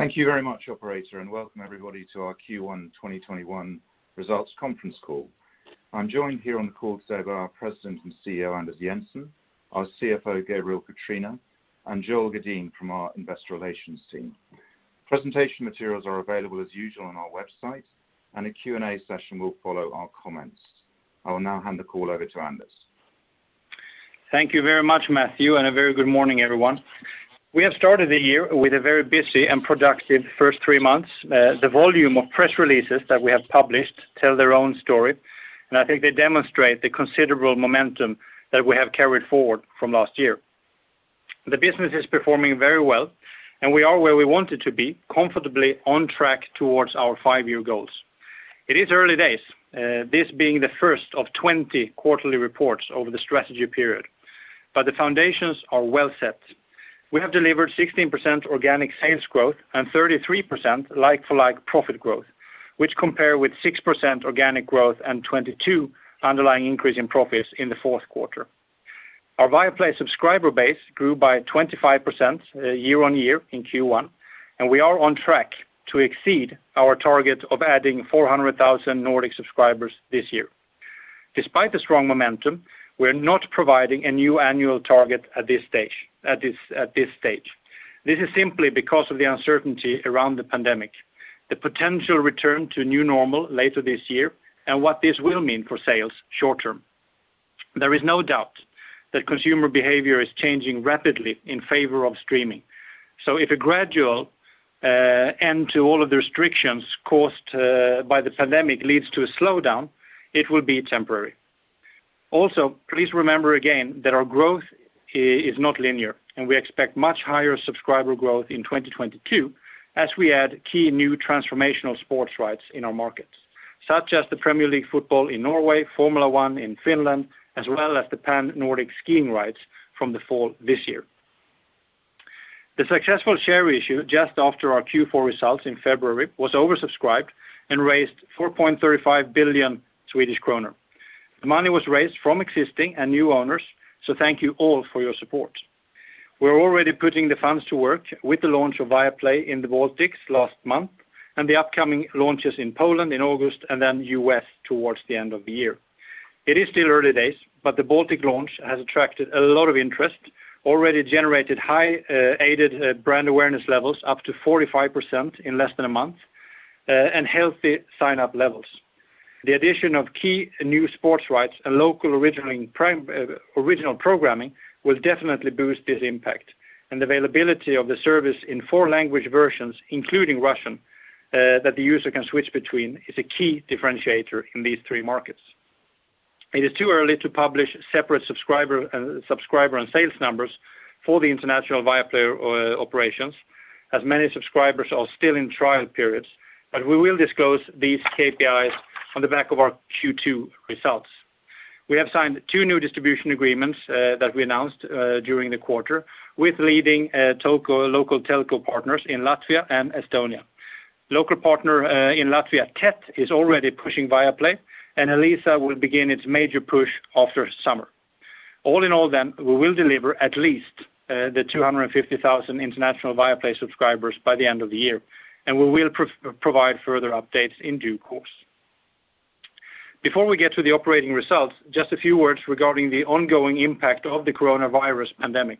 Thank you very much, operator, welcome everybody to our Q1 2021 results conference call. I'm joined here on the call today by our President and CEO, Anders Jensen, our CFO, Gabriel Catrina, and Joel Gedin from our investor relations team. Presentation materials are available as usual on our website, a Q&A session will follow our comments. I will now hand the call over to Anders. Thank you very much, Matthew, and a very good morning, everyone. We have started the year with a very busy and productive first three months. The volume of press releases that we have published tell their own story, and I think they demonstrate the considerable momentum that we have carried forward from last year. The business is performing very well, and we are where we wanted to be, comfortably on track towards our five-year goals. It is early days, this being the first of 20 quarterly reports over the strategy period, but the foundations are well set. We have delivered 16% organic sales growth and 33% like-for-like profit growth, which compare with 6% organic growth and 22% underlying increase in profits in the fourth quarter. Our Viaplay subscriber base grew by 25% year-on-year in Q1, and we are on track to exceed our target of adding 400,000 Nordic subscribers this year. Despite the strong momentum, we're not providing a new annual target at this stage. This is simply because of the uncertainty around the pandemic, the potential return to new normal later this year, and what this will mean for sales short-term. There is no doubt that consumer behavior is changing rapidly in favor of streaming. If a gradual end to all of the restrictions caused by the pandemic leads to a slowdown, it will be temporary. Also, please remember again that our growth is not linear, and we expect much higher subscriber growth in 2022 as we add key new transformational sports rights in our markets, such as the Premier League football in Norway, Formula 1 in Finland, as well as the Pan-Nordic skiing rights from the fall this year. The successful share issue just after our Q4 results in February was oversubscribed and raised 4.35 billion Swedish kronor. The money was raised from existing and new owners, so thank you all for your support. We're already putting the funds to work with the launch of Viaplay in the Baltics last month and the upcoming launches in Poland in August and then the U.S. towards the end of the year. It is still early days, but the Baltic launch has attracted a lot of interest, already generated high aided brand awareness levels, up to 45% in less than a month, and healthy sign-up levels. The addition of key new sports rights and local original programming will definitely boost this impact, and the availability of the service in four language versions, including Russian, that the user can switch between, is a key differentiator in these three markets. It is too early to publish separate subscriber and sales numbers for the international Viaplay operations, as many subscribers are still in trial periods, but we will disclose these KPIs on the back of our Q2 results. We have signed two new distribution agreements that we announced during the quarter with leading local telco partners in Latvia and Estonia. Local partner in Latvia, Tet, is already pushing Viaplay, and Elisa will begin its major push after summer. All in all, we will deliver at least 250,000 international Viaplay subscribers by the end of the year, and we will provide further updates in due course. Before we get to the operating results, just a few words regarding the ongoing impact of the coronavirus pandemic.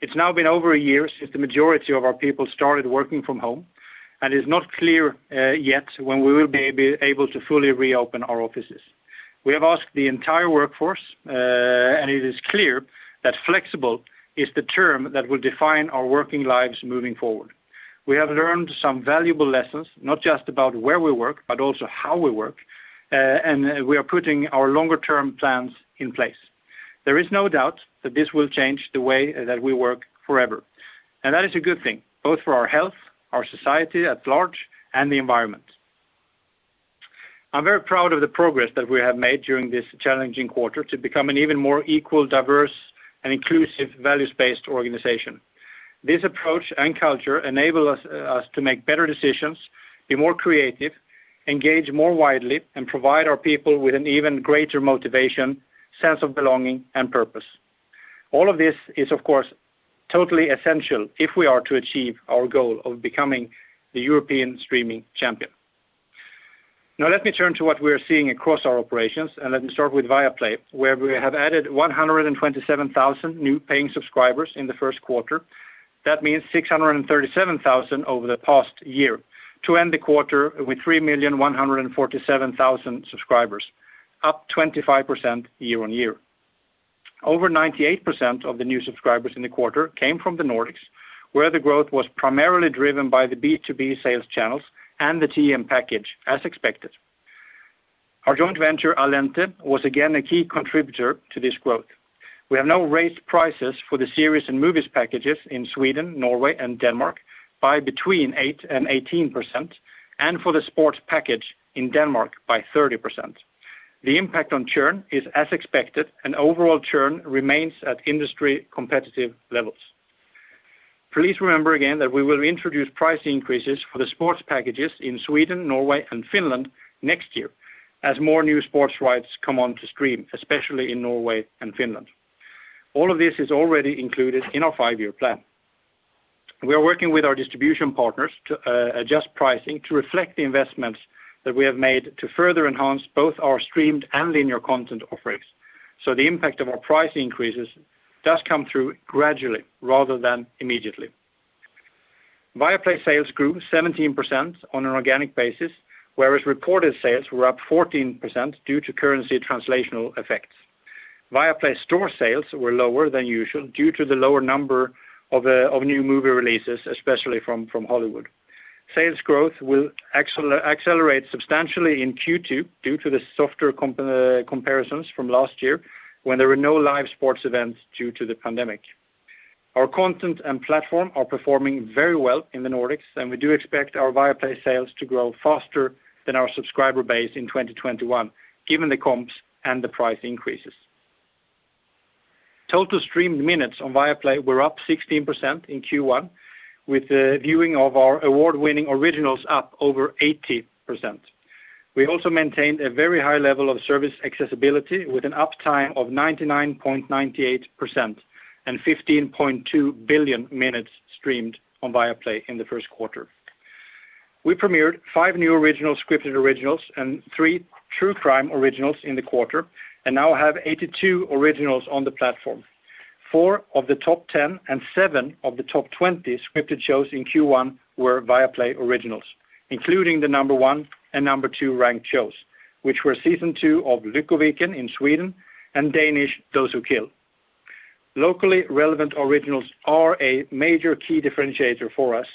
It's now been over one year since the majority of our people started working from home, and it's not clear yet when we will be able to fully reopen our offices. We have asked the entire workforce, and it is clear that flexible is the term that will define our working lives moving forward. We have learned some valuable lessons, not just about where we work, but also how we work, and we are putting our longer-term plans in place. There is no doubt that this will change the way that we work forever. That is a good thing, both for our health, our society at large, and the environment. I'm very proud of the progress that we have made during this challenging quarter to become an even more equal, diverse, and inclusive values-based organization. This approach and culture enable us to make better decisions, be more creative, engage more widely, and provide our people with an even greater motivation, sense of belonging, and purpose. All of this is, of course, totally essential if we are to achieve our goal of becoming the European streaming champion. Let me turn to what we're seeing across our operations, and let me start with Viaplay, where we have added 127,000 new paying subscribers in the first quarter. That means 637,000 over the past year, to end the quarter with 3,147,000 subscribers, up 25% year-on-year. Over 98% of the new subscribers in the quarter came from the Nordics, where the growth was primarily driven by the B2B sales channels and the TM package, as expected. Our joint venture, Allente, was again a key contributor to this growth. We have now raised prices for the series and movies packages in Sweden, Norway, and Denmark by between 8% and 18%, and for the sports package in Denmark by 30%. The impact on churn is as expected, overall churn remains at industry competitive levels. Please remember again that we will introduce price increases for the sports packages in Sweden, Norway, and Finland next year as more new sports rights come on to stream, especially in Norway and Finland. All of this is already included in our five-year plan. We are working with our distribution partners to adjust pricing to reflect the investments that we have made to further enhance both our streamed and linear content offerings. The impact of our price increases does come through gradually rather than immediately. Viaplay sales grew 17% on an organic basis, whereas reported sales were up 14% due to currency translational effects. Viaplay Store sales were lower than usual due to the lower number of new movie releases, especially from Hollywood. Sales growth will accelerate substantially in Q2 due to the softer comparisons from last year, when there were no live sports events due to the pandemic. Our content and platform are performing very well in the Nordics, and we do expect our Viaplay sales to grow faster than our subscriber base in 2021, given the comps and the price increases. Total streamed minutes on Viaplay were up 16% in Q1, with the viewing of our award-winning originals up over 80%. We also maintained a very high level of service accessibility with an uptime of 99.98% and 15.2 billion minutes streamed on Viaplay in the first quarter. We premiered five new scripted originals and three true crime originals in the quarter, and now have 82 originals on the platform. Four of the top 10 and seven of the top 20 scripted shows in Q1 were Viaplay originals, including the number 1 and number 2 ranked shows, which were season two of "Lyckoviken" in Sweden and Danish "Those Who Kill." Locally relevant originals are a major key differentiator for us,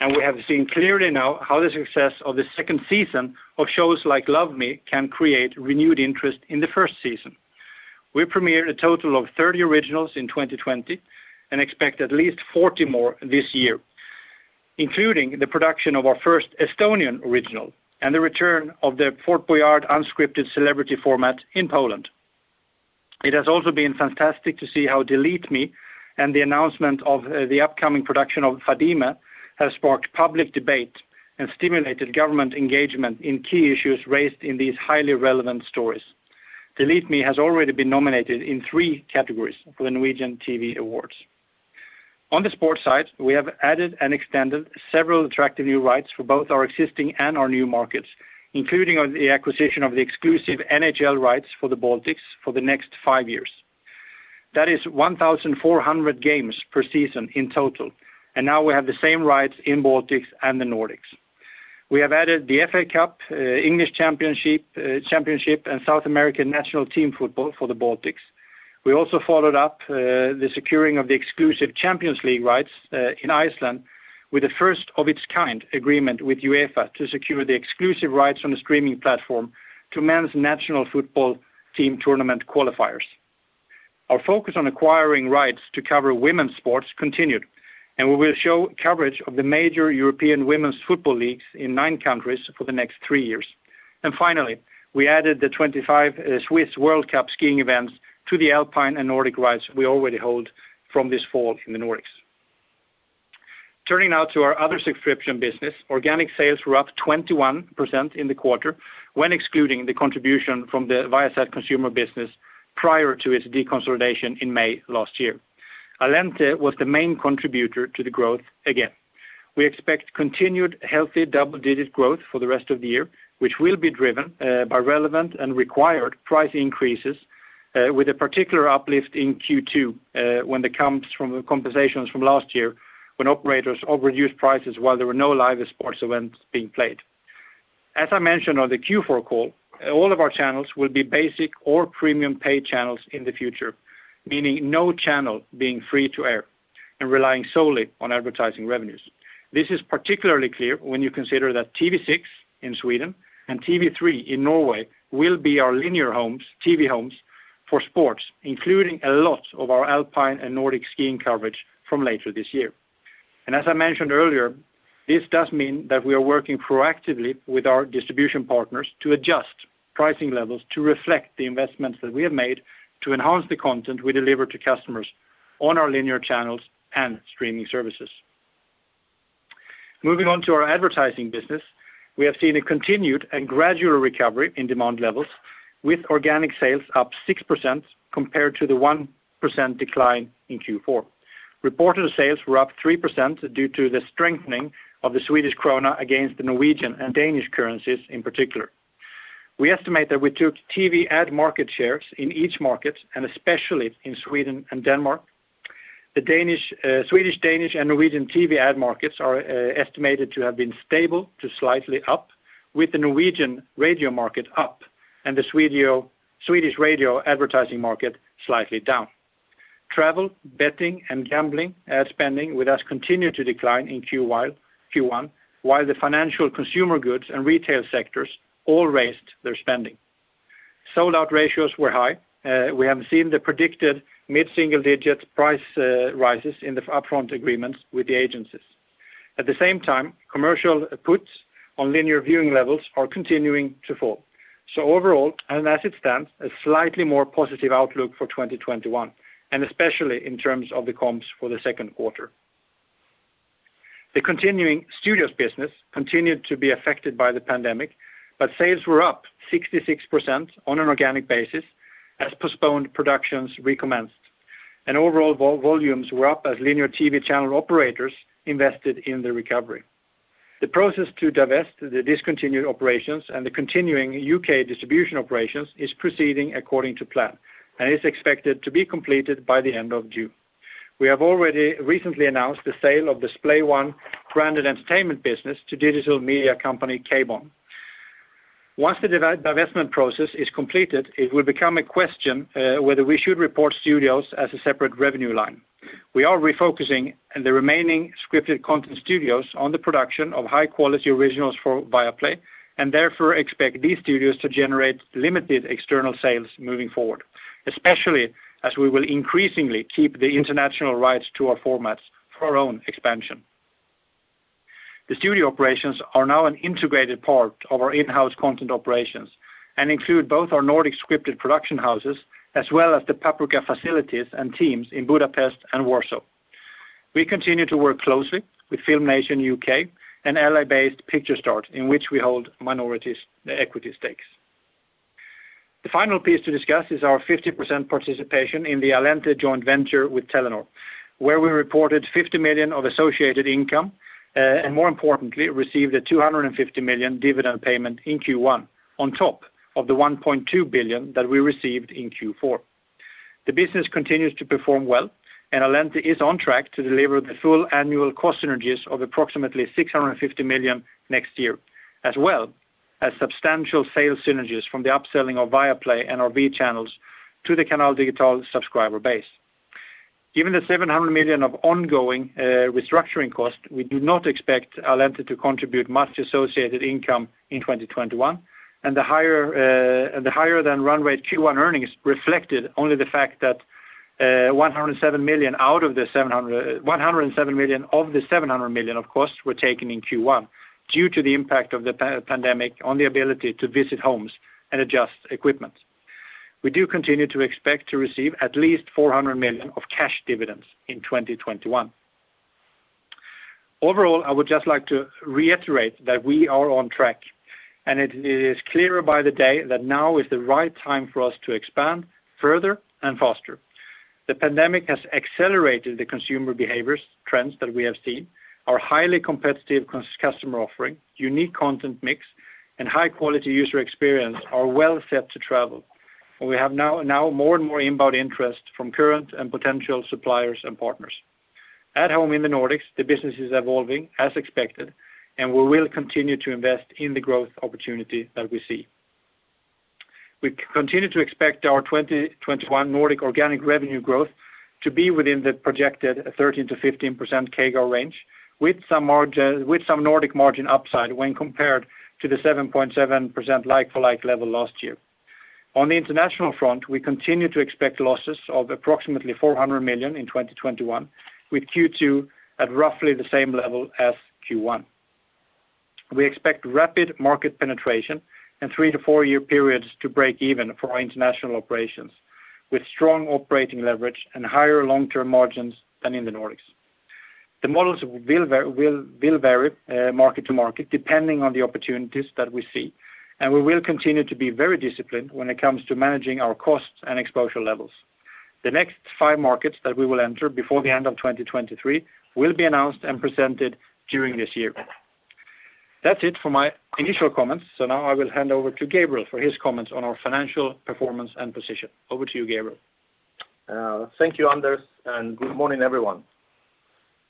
and we have seen clearly now how the success of the second season of shows like "Love Me" can create renewed interest in the first season. We premiered a total of 30 originals in 2020 and expect at least 40 more this year, including the production of our first Estonian original and the return of the "Fort Boyard" unscripted celebrity format in Poland. It has also been fantastic to see how "Delete Me" and the announcement of the upcoming production of "Fadime" has sparked public debate and stimulated government engagement in key issues raised in these highly relevant stories. "Delete Me" has already been nominated in three categories for the Norwegian TV Awards. On the sports side, we have added and extended several attractive new rights for both our existing and our new markets, including the acquisition of the exclusive NHL rights for the Baltics for the next five years. That is 1,400 games per season in total. Now we have the same rights in Baltics and the Nordics. We have added the FA Cup, English Championship, and South American National Team Football for the Baltics. We also followed up the securing of the exclusive Champions League rights in Iceland with the first of its kind agreement with UEFA to secure the exclusive rights on the streaming platform to men's national football team tournament qualifiers. Our focus on acquiring rights to cover women's sports continued, and we will show coverage of the major European women's football leagues in nine countries for the next three years. Finally, we added the 25 Swiss World Cup skiing events to the Alpine and Nordic rights we already hold from this fall in the Nordics. Turning now to our other subscription business. Organic sales were up 21% in the quarter when excluding the contribution from the Viasat Consumer business prior to its deconsolidation in May last year. Allente was the main contributor to the growth again. We expect continued healthy double-digit growth for the rest of the year, which will be driven by relevant and required price increases with a particular uplift in Q2 when the compensations from last year when operators over-reduced prices while there were no live sports events being played. As I mentioned on the Q4 call, all of our channels will be basic or premium paid channels in the future, meaning no channel being free-to-air and relying solely on advertising revenues. This is particularly clear when you consider that TV6 in Sweden and TV3 in Norway will be our linear TV homes for sports, including a lot of our Alpine and Nordic skiing coverage from later this year. As I mentioned earlier, this does mean that we are working proactively with our distribution partners to adjust pricing levels to reflect the investments that we have made to enhance the content we deliver to customers on our linear channels and streaming services. Moving on to our advertising business. We have seen a continued and gradual recovery in demand levels with organic sales up 6% compared to the 1% decline in Q4. Reported sales were up 3% due to the strengthening of the Swedish krona against the Norwegian and Danish currencies in particular. We estimate that we took TV ad market shares in each market, and especially in Sweden and Denmark. The Swedish, Danish, and Norwegian TV ad markets are estimated to have been stable to slightly up, with the Norwegian radio market up and the Swedish radio advertising market slightly down. Travel, betting, and gambling ad spending with us continued to decline in Q1, while the financial consumer goods and retail sectors all raised their spending. Sold-out ratios were high. We have seen the predicted mid-single-digit price rises in the upfront agreements with the agencies. At the same time, commercial puts on linear viewing levels are continuing to fall. Overall, and as it stands, a slightly more positive outlook for 2021, and especially in terms of the comps for the second quarter. The continuing studios business continued to be affected by the pandemic, but sales were up 66% on an organic basis as postponed productions recommenced. Overall volumes were up as linear TV channel operators invested in the recovery. The process to divest the discontinued operations and the continuing U.K. distribution operations is proceeding according to plan and is expected to be completed by the end of June. We have already recently announced the sale of the Splay One branded entertainment business to digital media company Caybon. Once the divestment process is completed, it will become a question whether we should report studios as a separate revenue line. We are refocusing the remaining scripted content studios on the production of high-quality originals for Viaplay, and therefore expect these studios to generate limited external sales moving forward. Especially as we will increasingly keep the international rights to our formats for our own expansion. The studio operations are now an integrated part of our in-house content operations and include both our Nordic scripted production houses, as well as the Paprika facilities and teams in Budapest and Warsaw. We continue to work closely with FilmNation UK and L.A.-based Picturestart, in which we hold minority equity stakes. The final piece to discuss is our 50% participation in the Allente joint venture with Telenor, where we reported 50 million of associated income, and more importantly, received a 250 million dividend payment in Q1 on top of the 1.2 billion that we received in Q4. The business continues to perform well. Allente is on track to deliver the full annual cost synergies of approximately 650 million next year, as well as substantial sales synergies from the upselling of Viaplay and our V channels to the Canal Digital subscriber base. Given the 700 million of ongoing restructuring costs, we do not expect Allente to contribute much associated income in 2021. The higher than run rate Q1 earnings reflected only the fact that 107 million of the 700 million of costs were taken in Q1 due to the impact of the pandemic on the ability to visit homes and adjust equipment. We do continue to expect to receive at least 400 million of cash dividends in 2021. Overall, I would just like to reiterate that we are on track, and it is clearer by the day that now is the right time for us to expand further and faster. The pandemic has accelerated the consumer behaviors trends that we have seen. Our highly competitive customer offering, unique content mix, and high-quality user experience are well set to travel. We have now more and more inbound interest from current and potential suppliers and partners. At home in the Nordics, the business is evolving as expected. We will continue to invest in the growth opportunity that we see. We continue to expect our 2021 Nordic organic revenue growth to be within the projected 13%-15% CAGR range, with some Nordic margin upside when compared to the 7.7% like-for-like level last year. On the international front, we continue to expect losses of approximately 400 million in 2021, with Q2 at roughly the same level as Q1. We expect rapid market penetration and three to four-year periods to break even for our international operations, with strong operating leverage and higher long-term margins than in the Nordics. The models will vary market to market, depending on the opportunities that we see. We will continue to be very disciplined when it comes to managing our costs and exposure levels. The next five markets that we will enter before the end of 2023 will be announced and presented during this year. That's it for my initial comments. Now I will hand over to Gabriel for his comments on our financial performance and position. Over to you, Gabriel. Thank you, Anders. Good morning, everyone.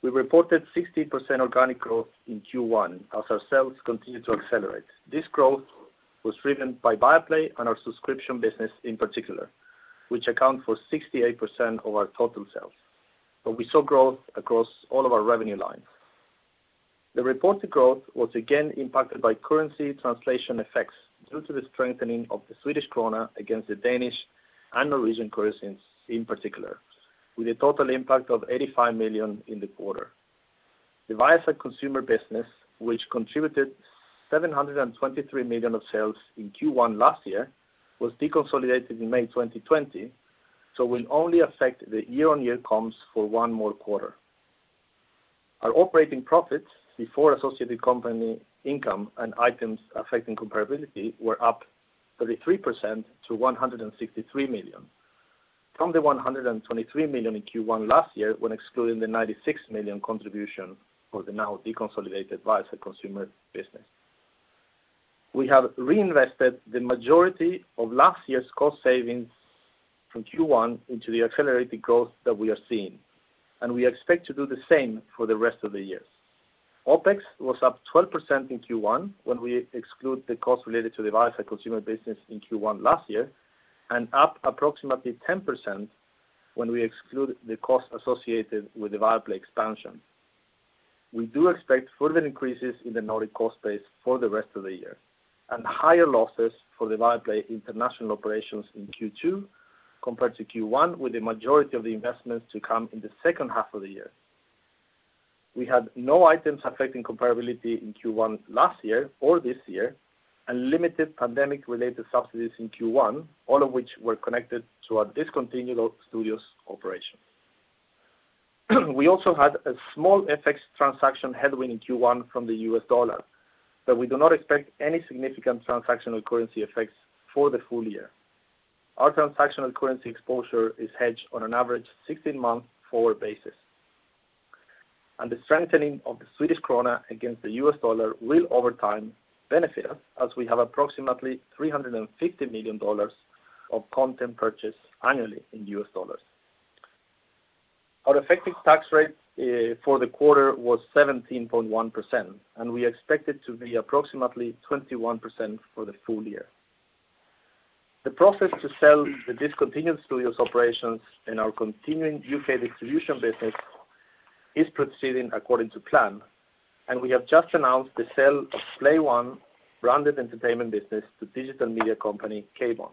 We reported 60% organic growth in Q1 as our sales continue to accelerate. This growth was driven by Viaplay and our subscription business in particular, which account for 68% of our total sales. We saw growth across all of our revenue lines. The reported growth was again impacted by currency translation effects due to the strengthening of the Swedish krona against the Danish and Norwegian currencies in particular, with a total impact of 85 million SEK in the quarter. The Viasat Consumer business, which contributed 723 million SEK of sales in Q1 last year, was deconsolidated in May 2020. It will only affect the year-on-year comps for one more quarter. Our operating profits before associated company income and items affecting comparability were up 33% to 163 million from the 123 million in Q1 last year when excluding the 96 million contribution for the now deconsolidated Viasat Consumer business. We have reinvested the majority of last year's cost savings from Q1 into the accelerated growth that we are seeing, and we expect to do the same for the rest of the year. OPEX was up 12% in Q1 when we exclude the cost related to the Viasat Consumer business in Q1 last year, and up approximately 10% when we exclude the cost associated with the Viaplay expansion. We do expect further increases in the Nordic cost base for the rest of the year and higher losses for the Viaplay international operations in Q2 compared to Q1, with the majority of the investments to come in the second half of the year. We had no items affecting comparability in Q1 last year or this year. Limited pandemic-related subsidies in Q1, all of which were connected to our discontinued studios operation. We also had a small FX transaction headwind in Q1 from the US dollar, but we do not expect any significant transactional currency effects for the full year. Our transactional currency exposure is hedged on an average 16-month forward basis. The strengthening of the Swedish krona against the US dollar will, over time, benefit us as we have approximately $350 million of content purchased annually in US dollars. Our effective tax rate for the quarter was 17.1%, and we expect it to be approximately 21% for the full year. The process to sell the discontinued studios operations and our continuing U.K. distribution business is proceeding according to plan. We have just announced the sale of Splay One branded entertainment business to digital media company, Caybon.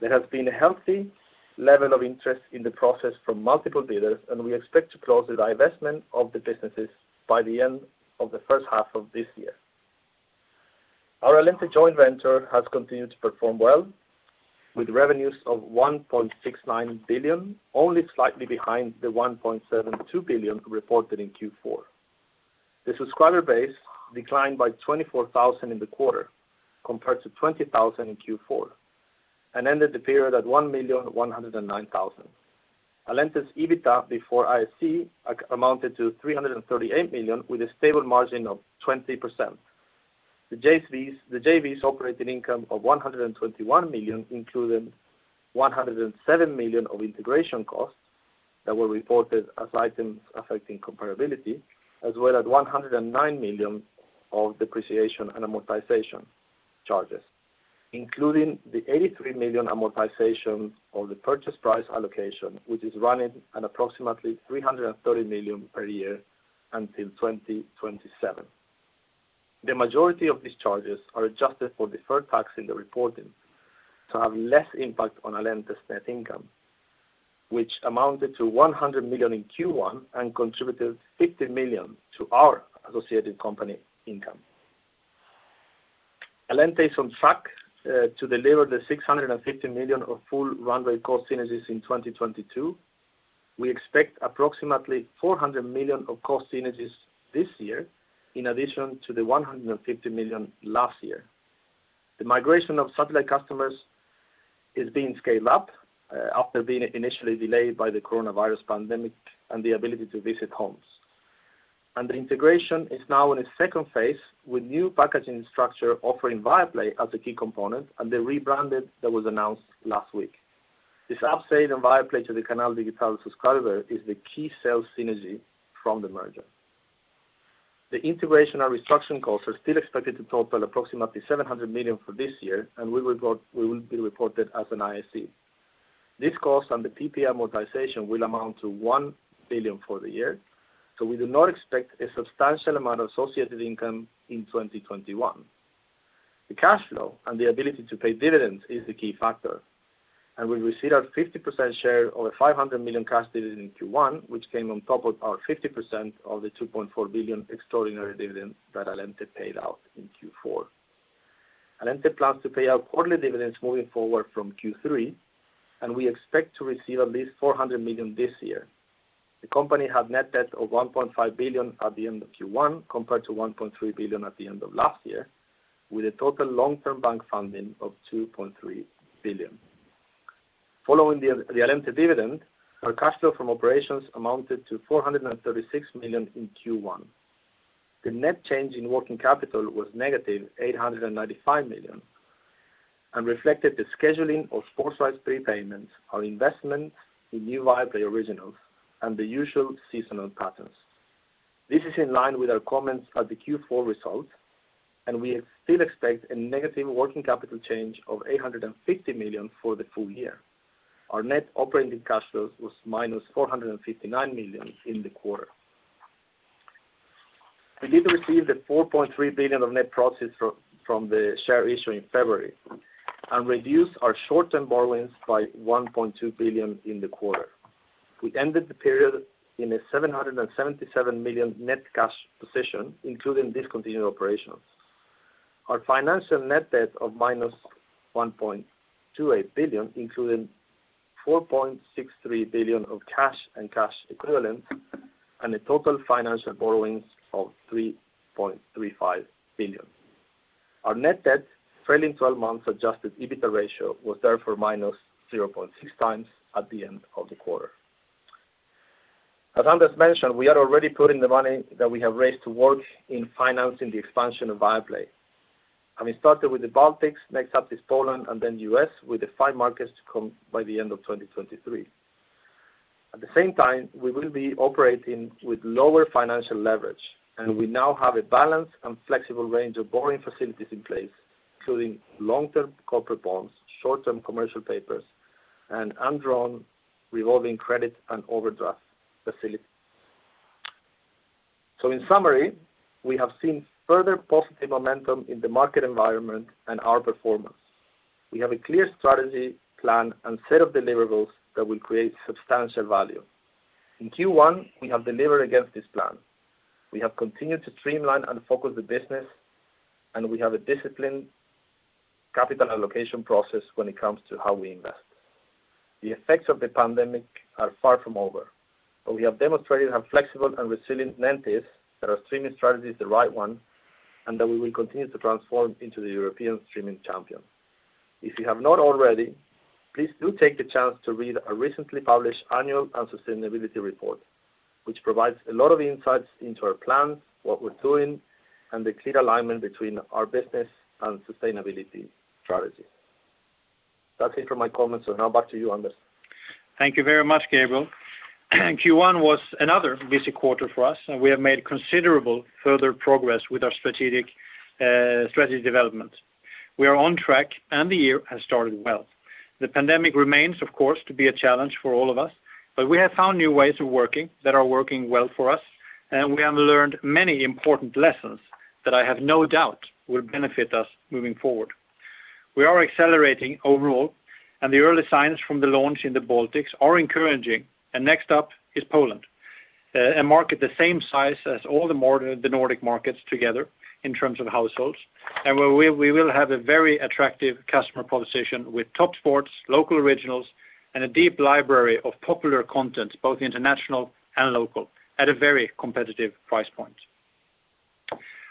There has been a healthy level of interest in the process from multiple bidders. We expect to close the divestment of the businesses by the end of the first half of this year. Our Allente joint venture has continued to perform well, with revenues of 1.69 billion, only slightly behind the 1.72 billion reported in Q4. The subscriber base declined by 24,000 in the quarter, compared to 20,000 in Q4, and ended the period at 1,109,000. Allente's EBITDA before IAC amounted to 338 million, with a stable margin of 20%. The JV's operating income of 121 million included 107 million of integration costs that were reported as items affecting comparability, as well as 109 million of depreciation and amortization charges, including the 83 million amortization of the purchase price allocation, which is running at approximately 330 million per year until 2027. The majority of these charges are adjusted for deferred tax in the reporting to have less impact on Allente's net income, which amounted to 100 million in Q1 and contributed 50 million to our associated company income. Allente is on track to deliver the 650 million of full run-rate cost synergies in 2022. We expect approximately 400 million of cost synergies this year in addition to the 150 million last year. The migration of satellite customers is being scaled up after being initially delayed by the coronavirus pandemic and the ability to visit homes. The integration is now in its second phase with new packaging structure offering Viaplay as a key component and the rebranding that was announced last week. This upsell in Viaplay to the Canal Digital subscriber is the key sales synergy from the merger. The integration and restructuring costs are still expected to total approximately 700 million for this year and will be reported as an IAC. This cost and the PPA amortization will amount to 1 billion for the year, we do not expect a substantial amount of associated income in 2021. The cash flow and the ability to pay dividends is the key factor. We received our 50% share of a 500 million cash dividend in Q1, which came on top of our 50% of the 2.4 billion extraordinary dividend that Allente paid out in Q4. Allente plans to pay out quarterly dividends moving forward from Q3. We expect to receive at least 400 million this year. The company had net debt of 1.5 billion at the end of Q1 compared to 1.3 billion at the end of last year, with a total long-term bank funding of 2.3 billion. Following the Allente dividend, our cash flow from operations amounted to 436 million in Q1. The net change in working capital was -895 million and reflected the scheduling of sports rights prepayments, our investment in new Viaplay originals, and the usual seasonal patterns. This is in line with our comments at the Q4 results. We still expect a negative working capital change of 850 million for the full year. Our net operating cash flows was -459 million in the quarter. We did receive 4.3 billion of net proceeds from the share issue in February and reduced our short-term borrowings by 1.2 billion in the quarter. We ended the period in a 777 million net cash position, including discontinued operations. Our financial net debt of -1.28 billion included 4.63 billion of cash and cash equivalents and a total financial borrowings of 3.35 billion. Our net debt trailing 12 months adjusted EBITDA ratio was therefore -0.6 times at the end of the quarter. As Anders mentioned, we are already putting the money that we have raised to work in financing the expansion of Viaplay. We started with the Baltics. Next up is Poland, then U.S., with the five markets to come by the end of 2023. At the same time, we will be operating with lower financial leverage, and we now have a balanced and flexible range of borrowing facilities in place, including long-term corporate bonds, short-term commercial papers, and undrawn revolving credit and overdraft facilities. In summary, we have seen further positive momentum in the market environment and our performance. We have a clear strategy plan and set of deliverables that will create substantial value. In Q1, we have delivered against this plan. We have continued to streamline and focus the business, and we have a disciplined capital allocation process when it comes to how we invest. The effects of the pandemic are far from over, we have demonstrated how flexible and resilient NENT is, that our streaming strategy is the right one, and that we will continue to transform into the European streaming champion. If you have not already, please do take the chance to read our recently published annual and sustainability report, which provides a lot of insights into our plans, what we're doing, and the clear alignment between our business and sustainability strategies. That's it for my comments. Now back to you, Anders. Thank you very much, Gabriel. Q1 was another busy quarter for us, and we have made considerable further progress with our strategy development. We are on track, the year has started well. The pandemic remains, of course, to be a challenge for all of us, but we have found new ways of working that are working well for us, and we have learned many important lessons that I have no doubt will benefit us moving forward. We are accelerating overall, the early signs from the launch in the Baltics are encouraging. Next up is Poland, a market the same size as all the Nordic markets together in terms of households, and where we will have a very attractive customer proposition with top sports, local originals, and a deep library of popular content, both international and local, at a very competitive price point.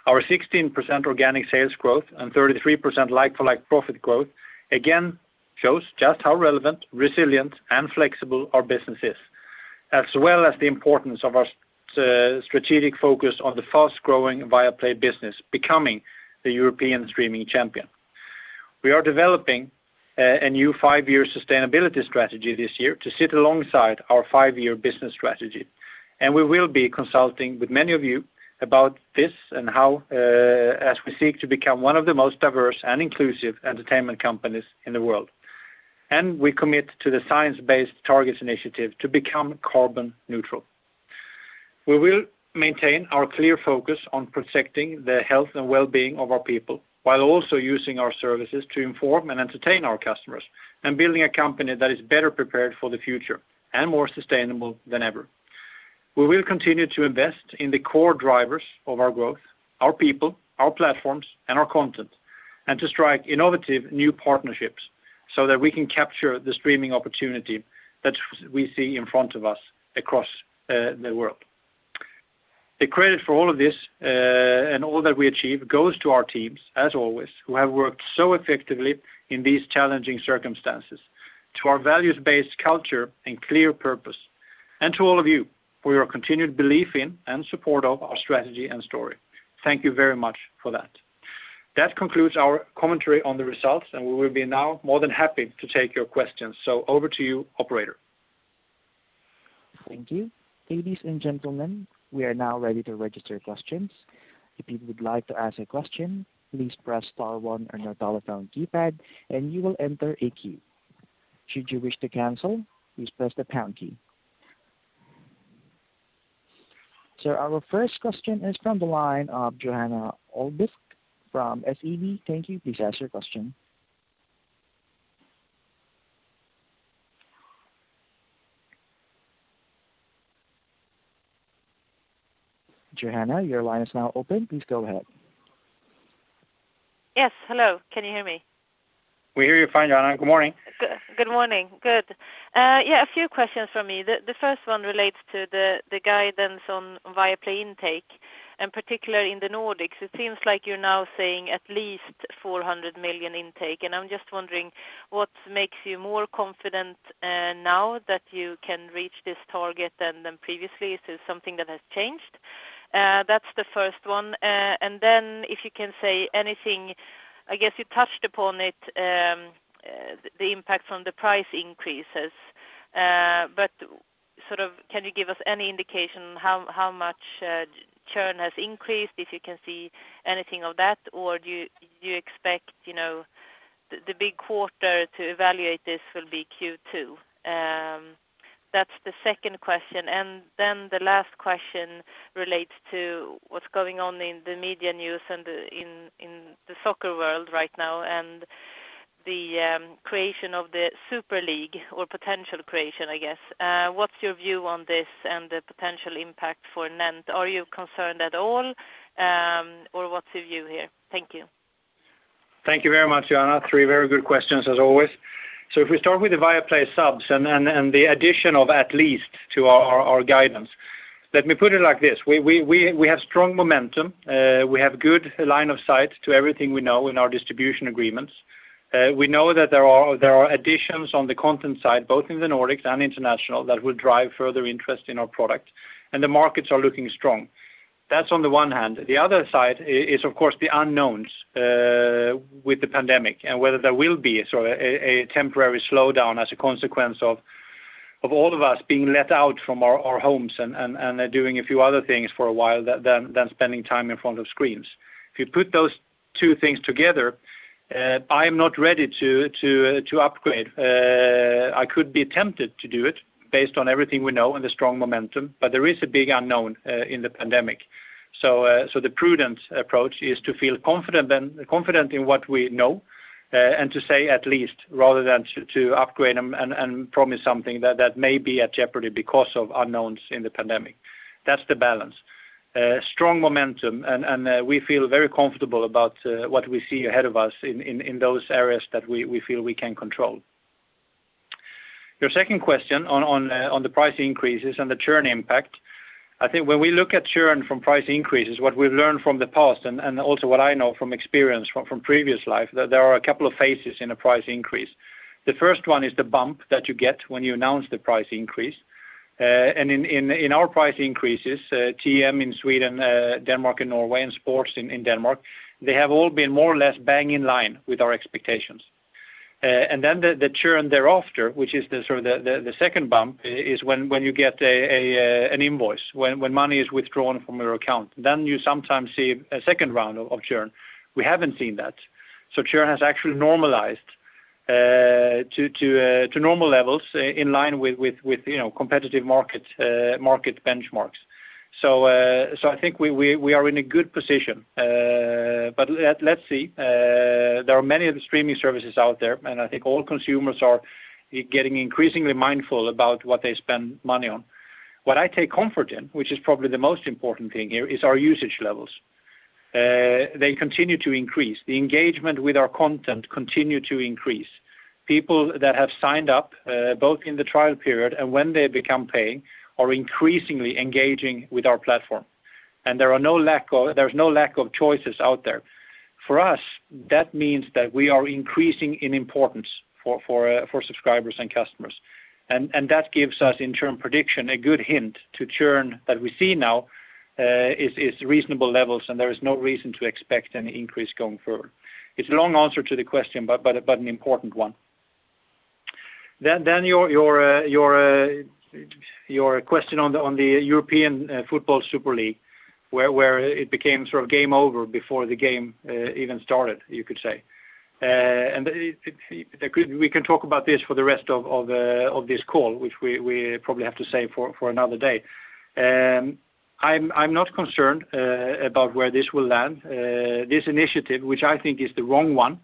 Our 16% organic sales growth and 33% like-for-like profit growth, again, shows just how relevant, resilient, and flexible our business is, as well as the importance of our strategic focus on the fast-growing Viaplay business becoming the European streaming champion. We are developing a new five-year sustainability strategy this year to sit alongside our five-year business strategy, and we will be consulting with many of you about this and how, as we seek to become one of the most diverse and inclusive entertainment companies in the world. We commit to the Science-Based Targets initiative to become carbon neutral. We will maintain our clear focus on protecting the health and wellbeing of our people, while also using our services to inform and entertain our customers, and building a company that is better prepared for the future and more sustainable than ever. We will continue to invest in the core drivers of our growth, our people, our platforms, and our content, and to strike innovative new partnerships so that we can capture the streaming opportunity that we see in front of us across the world. The credit for all of this, and all that we achieve, goes to our teams, as always, who have worked so effectively in these challenging circumstances, to our values-based culture and clear purpose, and to all of you for your continued belief in and support of our strategy and story. Thank you very much for that. That concludes our commentary on the results, and we will be now more than happy to take your questions. Over to you, operator. Thank you. Ladies and gentlemen, we are now ready to register questions. If you would like to ask a question, please press star one on your telephone keypad and you will enter a queue. Should you wish to cancel, please press the pound key. Our first question is from the line of Johanna Ahlqvist from SEB. Thank you. Please ask your question. Johanna, your line is now open. Please go ahead. Yes. Hello, can you hear me? We hear you fine, Johanna. Good morning. Good morning. Good. A few questions from me. The first one relates to the guidance on Viaplay intake, particularly in the Nordics. It seems like you're now saying at least 400 million intake, I'm just wondering what makes you more confident now that you can reach this target than previously. Is there something that has changed? That's the first one. Then if you can say anything, I guess you touched upon it, the impact from the price increases. Can you give us any indication how much churn has increased, if you can see anything of that, or do you expect the big quarter to evaluate this will be Q2? That's the second question. Then the last question relates to what's going on in the media news and in the soccer world right now, the creation of the Super League, or potential creation, I guess. What's your view on this and the potential impact for NENT? Are you concerned at all, or what's your view here? Thank you. Thank you very much, Johanna. Three very good questions as always. If we start with the Viaplay subs and the addition of "at least" to our guidance, let me put it like this. We have strong momentum. We have good line of sight to everything we know in our distribution agreements. We know that there are additions on the content side, both in the Nordics and international, that will drive further interest in our product, and the markets are looking strong. That's on the one hand. The other side is, of course, the unknowns with the pandemic, and whether there will be a temporary slowdown as a consequence of all of us being let out from our homes and doing a few other things for a while than spending time in front of screens. If you put those two things together, I'm not ready to upgrade. I could be tempted to do it based on everything we know and the strong momentum, but there is a big unknown in the pandemic. So the prudent approach is to feel confident in what we know, and to say at least, rather than to upgrade and promise something that may be at jeopardy because of unknowns in the pandemic. That's the balance. Strong momentum, and we feel very comfortable about what we see ahead of us in those areas that we feel we can control. Your second question on the price increases and the churn impact. I think when we look at churn from price increases, what we've learned from the past and also what I know from experience from previous life, that there are a couple of phases in a price increase. The first one is the bump that you get when you announce the price increase. In our price increases, TM in Sweden, Denmark and Norway, and sports in Denmark, they have all been more or less bang in line with our expectations. The churn thereafter, which is the sort of the second bump is when you get an invoice, when money is withdrawn from your account. You sometimes see a second round of churn. We haven't seen that. Churn has actually normalized to normal levels in line with competitive market benchmarks. I think we are in a good position. Let's see. There are many other streaming services out there, and I think all consumers are getting increasingly mindful about what they spend money on. What I take comfort in, which is probably the most important thing here, is our usage levels. They continue to increase. The engagement with our content continue to increase. People that have signed up, both in the trial period and when they become paying, are increasingly engaging with our platform. There's no lack of choices out there. For us, that means that we are increasing in importance for subscribers and customers. That gives us, in churn prediction, a good hint to churn that we see now is reasonable levels, and there is no reason to expect any increase going forward. It's a long answer to the question, but an important one. Your question on The European Football Super League, where it became sort of game over before the game even started, you could say. We can talk about this for the rest of this call, which we probably have to save for another day. I'm not concerned about where this will land. This initiative, which I think is the wrong one,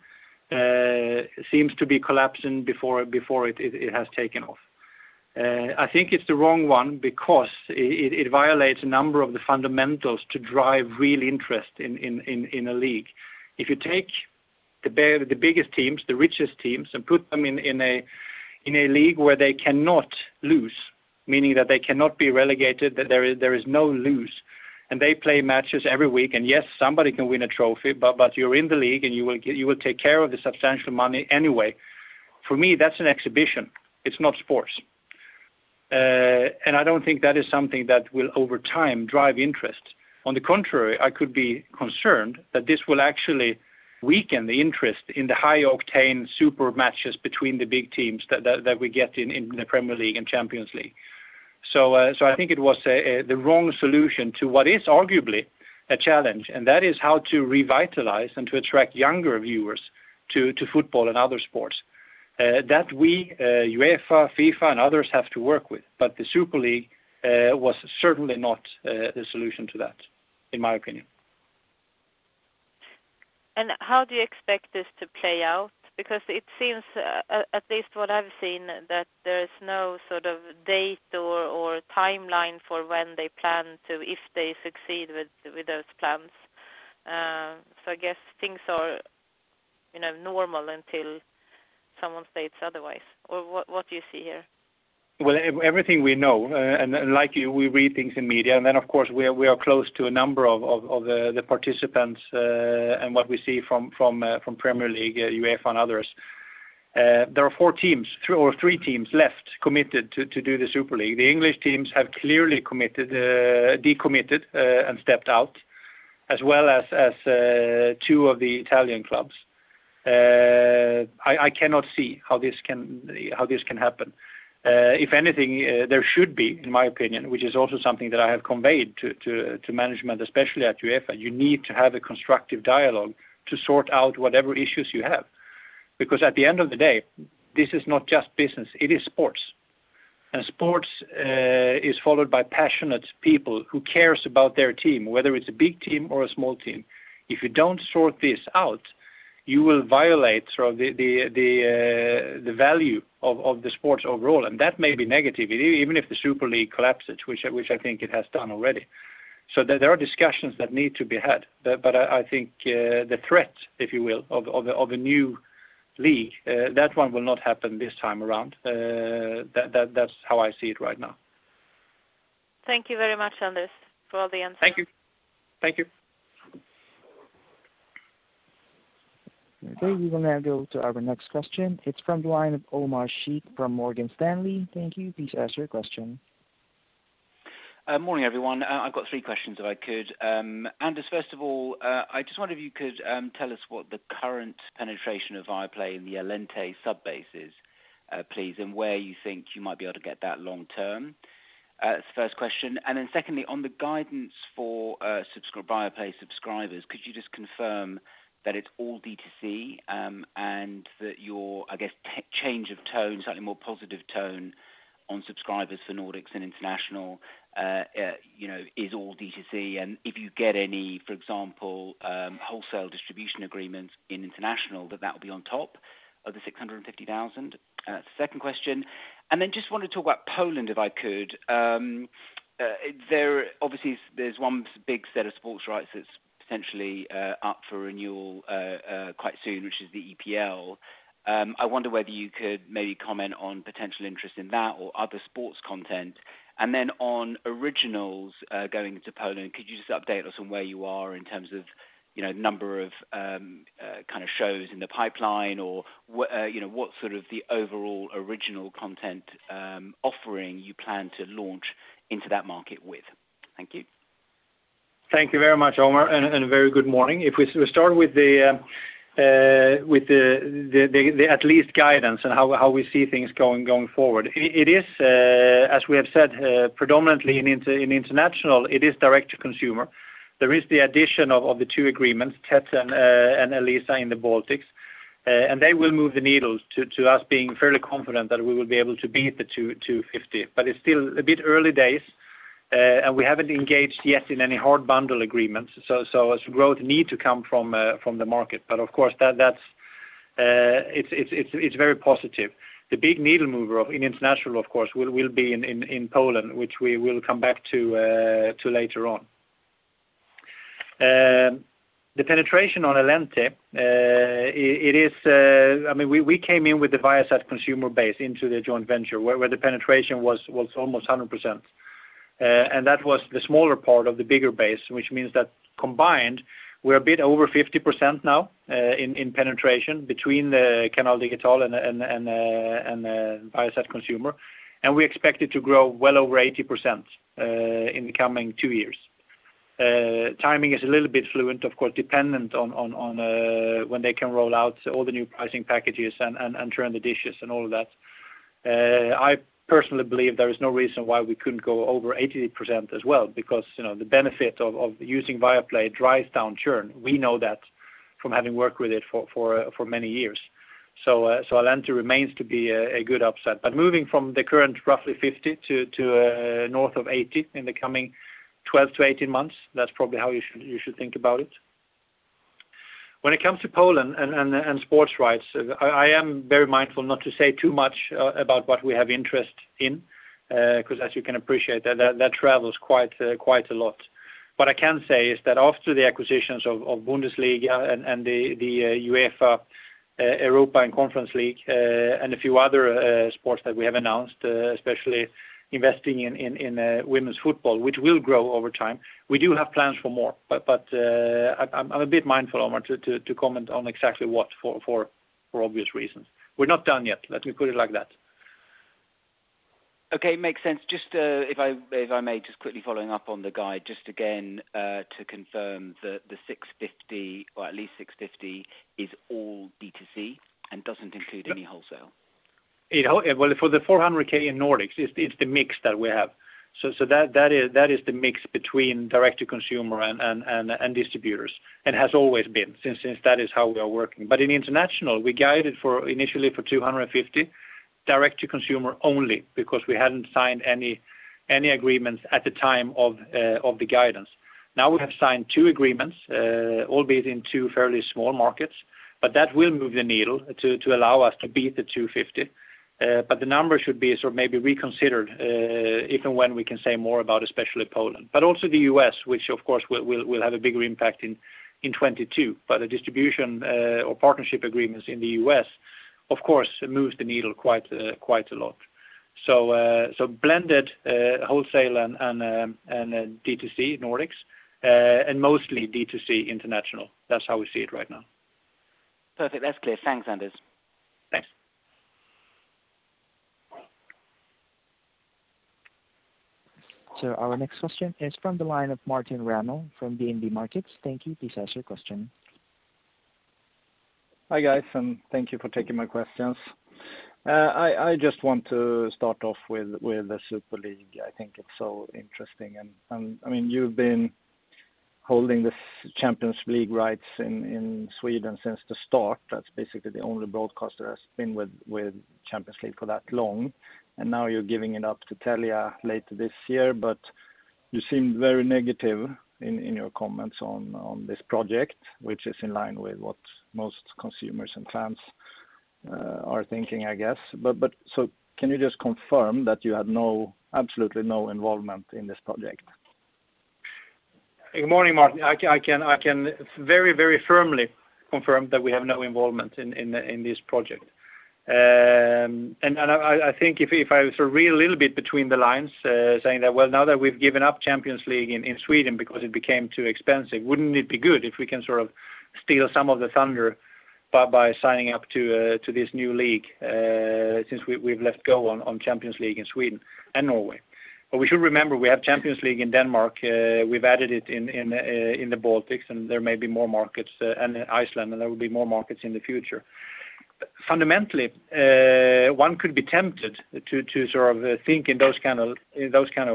seems to be collapsing before it has taken off. I think it's the wrong one because it violates a number of the fundamentals to drive real interest in a league. If you take the biggest teams, the richest teams, and put them in a league where they cannot lose, meaning that they cannot be relegated, that there is no lose, and they play matches every week. Yes, somebody can win a trophy, but you're in the league and you will take care of the substantial money anyway. For me, that's an exhibition. It's not sports. I don't think that is something that will, over time, drive interest. On the contrary, I could be concerned that this will actually weaken the interest in the high-octane super matches between the big teams that we get in the Premier League and Champions League. I think it was the wrong solution to what is arguably a challenge, and that is how to revitalize and to attract younger viewers to football and other sports. That we, UEFA, FIFA, and others have to work with. The Super League was certainly not the solution to that, in my opinion. How do you expect this to play out? It seems, at least what I've seen, that there is no sort of date or timeline for when they plan to, if they succeed with those plans. I guess things are normal until someone says otherwise. What do you see here? Well, everything we know, and like you, we read things in media, and then, of course, we are close to a number of the participants, and what we see from Premier League, UEFA, and others. There are four teams or three teams left committed to do The Super League. The English teams have clearly decommitted and stepped out, as well as two of the Italian clubs. I cannot see how this can happen. If anything, there should be, in my opinion, which is also something that I have conveyed to management, especially at UEFA, you need to have a constructive dialogue to sort out whatever issues you have. Because at the end of the day, this is not just business, it is sports. Sports is followed by passionate people who cares about their team, whether it's a big team or a small team. If you don't sort this out, you will violate sort of the value of the sports overall, and that may be negative, even if The Super League collapses, which I think it has done already. There are discussions that need to be had. I think the threat, if you will, of a new league, that one will not happen this time around. That's how I see it right now. Thank you very much, Anders, for all the answers. Thank you. We will now go to our next question. It is from the line of Omar Sheikh from Morgan Stanley. Thank you. Please ask your question. Morning, everyone. I've got three questions, if I could. Anders, first of all, I just wonder if you could tell us what the current penetration of Viaplay in the Allente sub-base is, please, and where you think you might be able to get that long term? That's the first question. Secondly, on the guidance for Viaplay subscribers, could you just confirm that it's all D2C and that your, I guess, change of tone, slightly more positive tone on subscribers for Nordics and international is all D2C? If you get any, for example, wholesale distribution agreements in international, that will be on top of the 650,000? Second question. Just wanted to talk about Poland, if I could. There obviously is one big set of sports rights that's potentially up for renewal quite soon, which is the EPL. I wonder whether you could maybe comment on potential interest in that or other sports content, and then on originals going into Poland? Could you just update us on where you are in terms of number of shows in the pipeline or what sort of the overall original content offering you plan to launch into that market with? Thank you. Thank you very much, Omar, a very good morning. If we start with the at least guidance and how we see things going forward. It is, as we have said predominantly in international, it is direct to consumer. There is the addition of the two agreements, Tet and Elisa in the Baltics. They will move the needles to us being fairly confident that we will be able to beat the 250. It's still a bit early days, and we haven't engaged yet in any hard bundle agreements. As growth need to come from the market. Of course, it's very positive. The big needle mover in international, of course, will be in Poland, which we will come back to later on. The penetration on Allente, we came in with the Viasat Consumer base into the joint venture, where the penetration was almost 100%. That was the smaller part of the bigger base, which means that combined we are a bit over 50% now in penetration between Canal Digital and Viasat Consumer. We expect it to grow well over 80% in the coming two years. Timing is a little bit fluent, of course, dependent on when they can roll out all the new pricing packages and turn the dishes and all of that. I personally believe there is no reason why we couldn't go over 80% as well, because the benefit of using Viaplay drives down churn. We know that from having worked with it for many years. Allente remains to be a good upset. Moving from the current roughly 50 to north of 80 in the coming 12 to 18 months, that is probably how you should think about it. When it comes to Poland and sports rights, I am very mindful not to say too much about what we have interest in, because as you can appreciate, that travels quite a lot. What I can say is that after the acquisitions of Bundesliga and the UEFA Europa and Conference League and a few other sports that we have announced, especially investing in women's football, which will grow over time, we do have plans for more. I'm a bit mindful, Omar, to comment on exactly what for obvious reasons. We're not done yet. Let me put it like that. Okay. Makes sense. If I may, just quickly following up on the guide, just again to confirm the 650 or at least 650 is all D2C and doesn't include any wholesale. Well, for the 400K in Nordics, it's the mix that we have. That is the mix between direct to consumer and distributors and has always been since that is how we are working. In international, we guided initially for 250 direct to consumer only because we hadn't signed any agreements at the time of the guidance. Now we have signed two agreements, albeit in two fairly small markets, but that will move the needle to allow us to beat the 250. The number should be sort of maybe reconsidered if and when we can say more about especially Poland, but also the U.S., which of course will have a bigger impact in 2022. The distribution or partnership agreements in the U.S., of course, moves the needle quite a lot. Blended wholesale and D2C Nordics and mostly D2C international. That's how we see it right now. Perfect. That's clear. Thanks, Anders. Thanks. Our next question is from the line of Martin Arnell from DNB Markets. Thank you. Please ask your question. Hi, guys, and thank you for taking my questions. I just want to start off with The Super League. I think it's so interesting. You've been holding the Champions League rights in Sweden since the start. That's basically the only broadcaster that's been with Champions League for that long. Now you're giving it up to Telia later this year. You seemed very negative in your comments on this project, which is in line with what most consumers and fans are thinking, I guess. Can you just confirm that you have absolutely no involvement in this project? Good morning, Martin. I can very firmly confirm that we have no involvement in this project. I think if I sort of read a little bit between the lines saying that, well, now that we've given up Champions League in Sweden because it became too expensive, wouldn't it be good if we can sort of steal some of the thunder by signing up to this new league since we've let go on Champions League in Sweden and Norway? We should remember we have Champions League in Denmark. We've added it in the Baltics, and there may be more markets and Iceland, and there will be more markets in the future. Fundamentally, one could be tempted to think in those kind of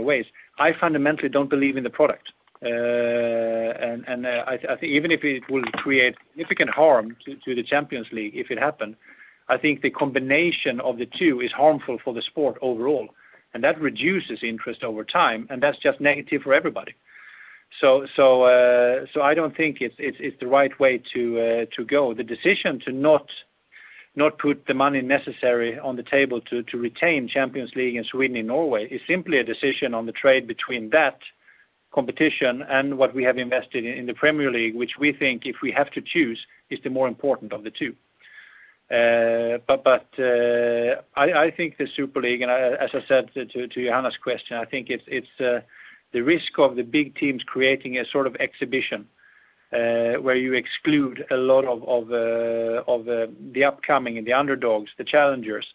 ways. I fundamentally don't believe in the product. I think even if it will create significant harm to the Champions League, if it happened, I think the combination of the two is harmful for the sport overall, and that reduces interest over time, and that's just negative for everybody. I don't think it's the right way to go. The decision to not put the money necessary on the table to retain Champions League in Sweden and Norway is simply a decision on the trade between that competition and what we have invested in the Premier League, which we think, if we have to choose, is the more important of the two. I think the Super League, and as I said to Johanna's question, I think it's the risk of the big teams creating a sort of exhibition, where you exclude a lot of the upcoming and the underdogs, the challengers.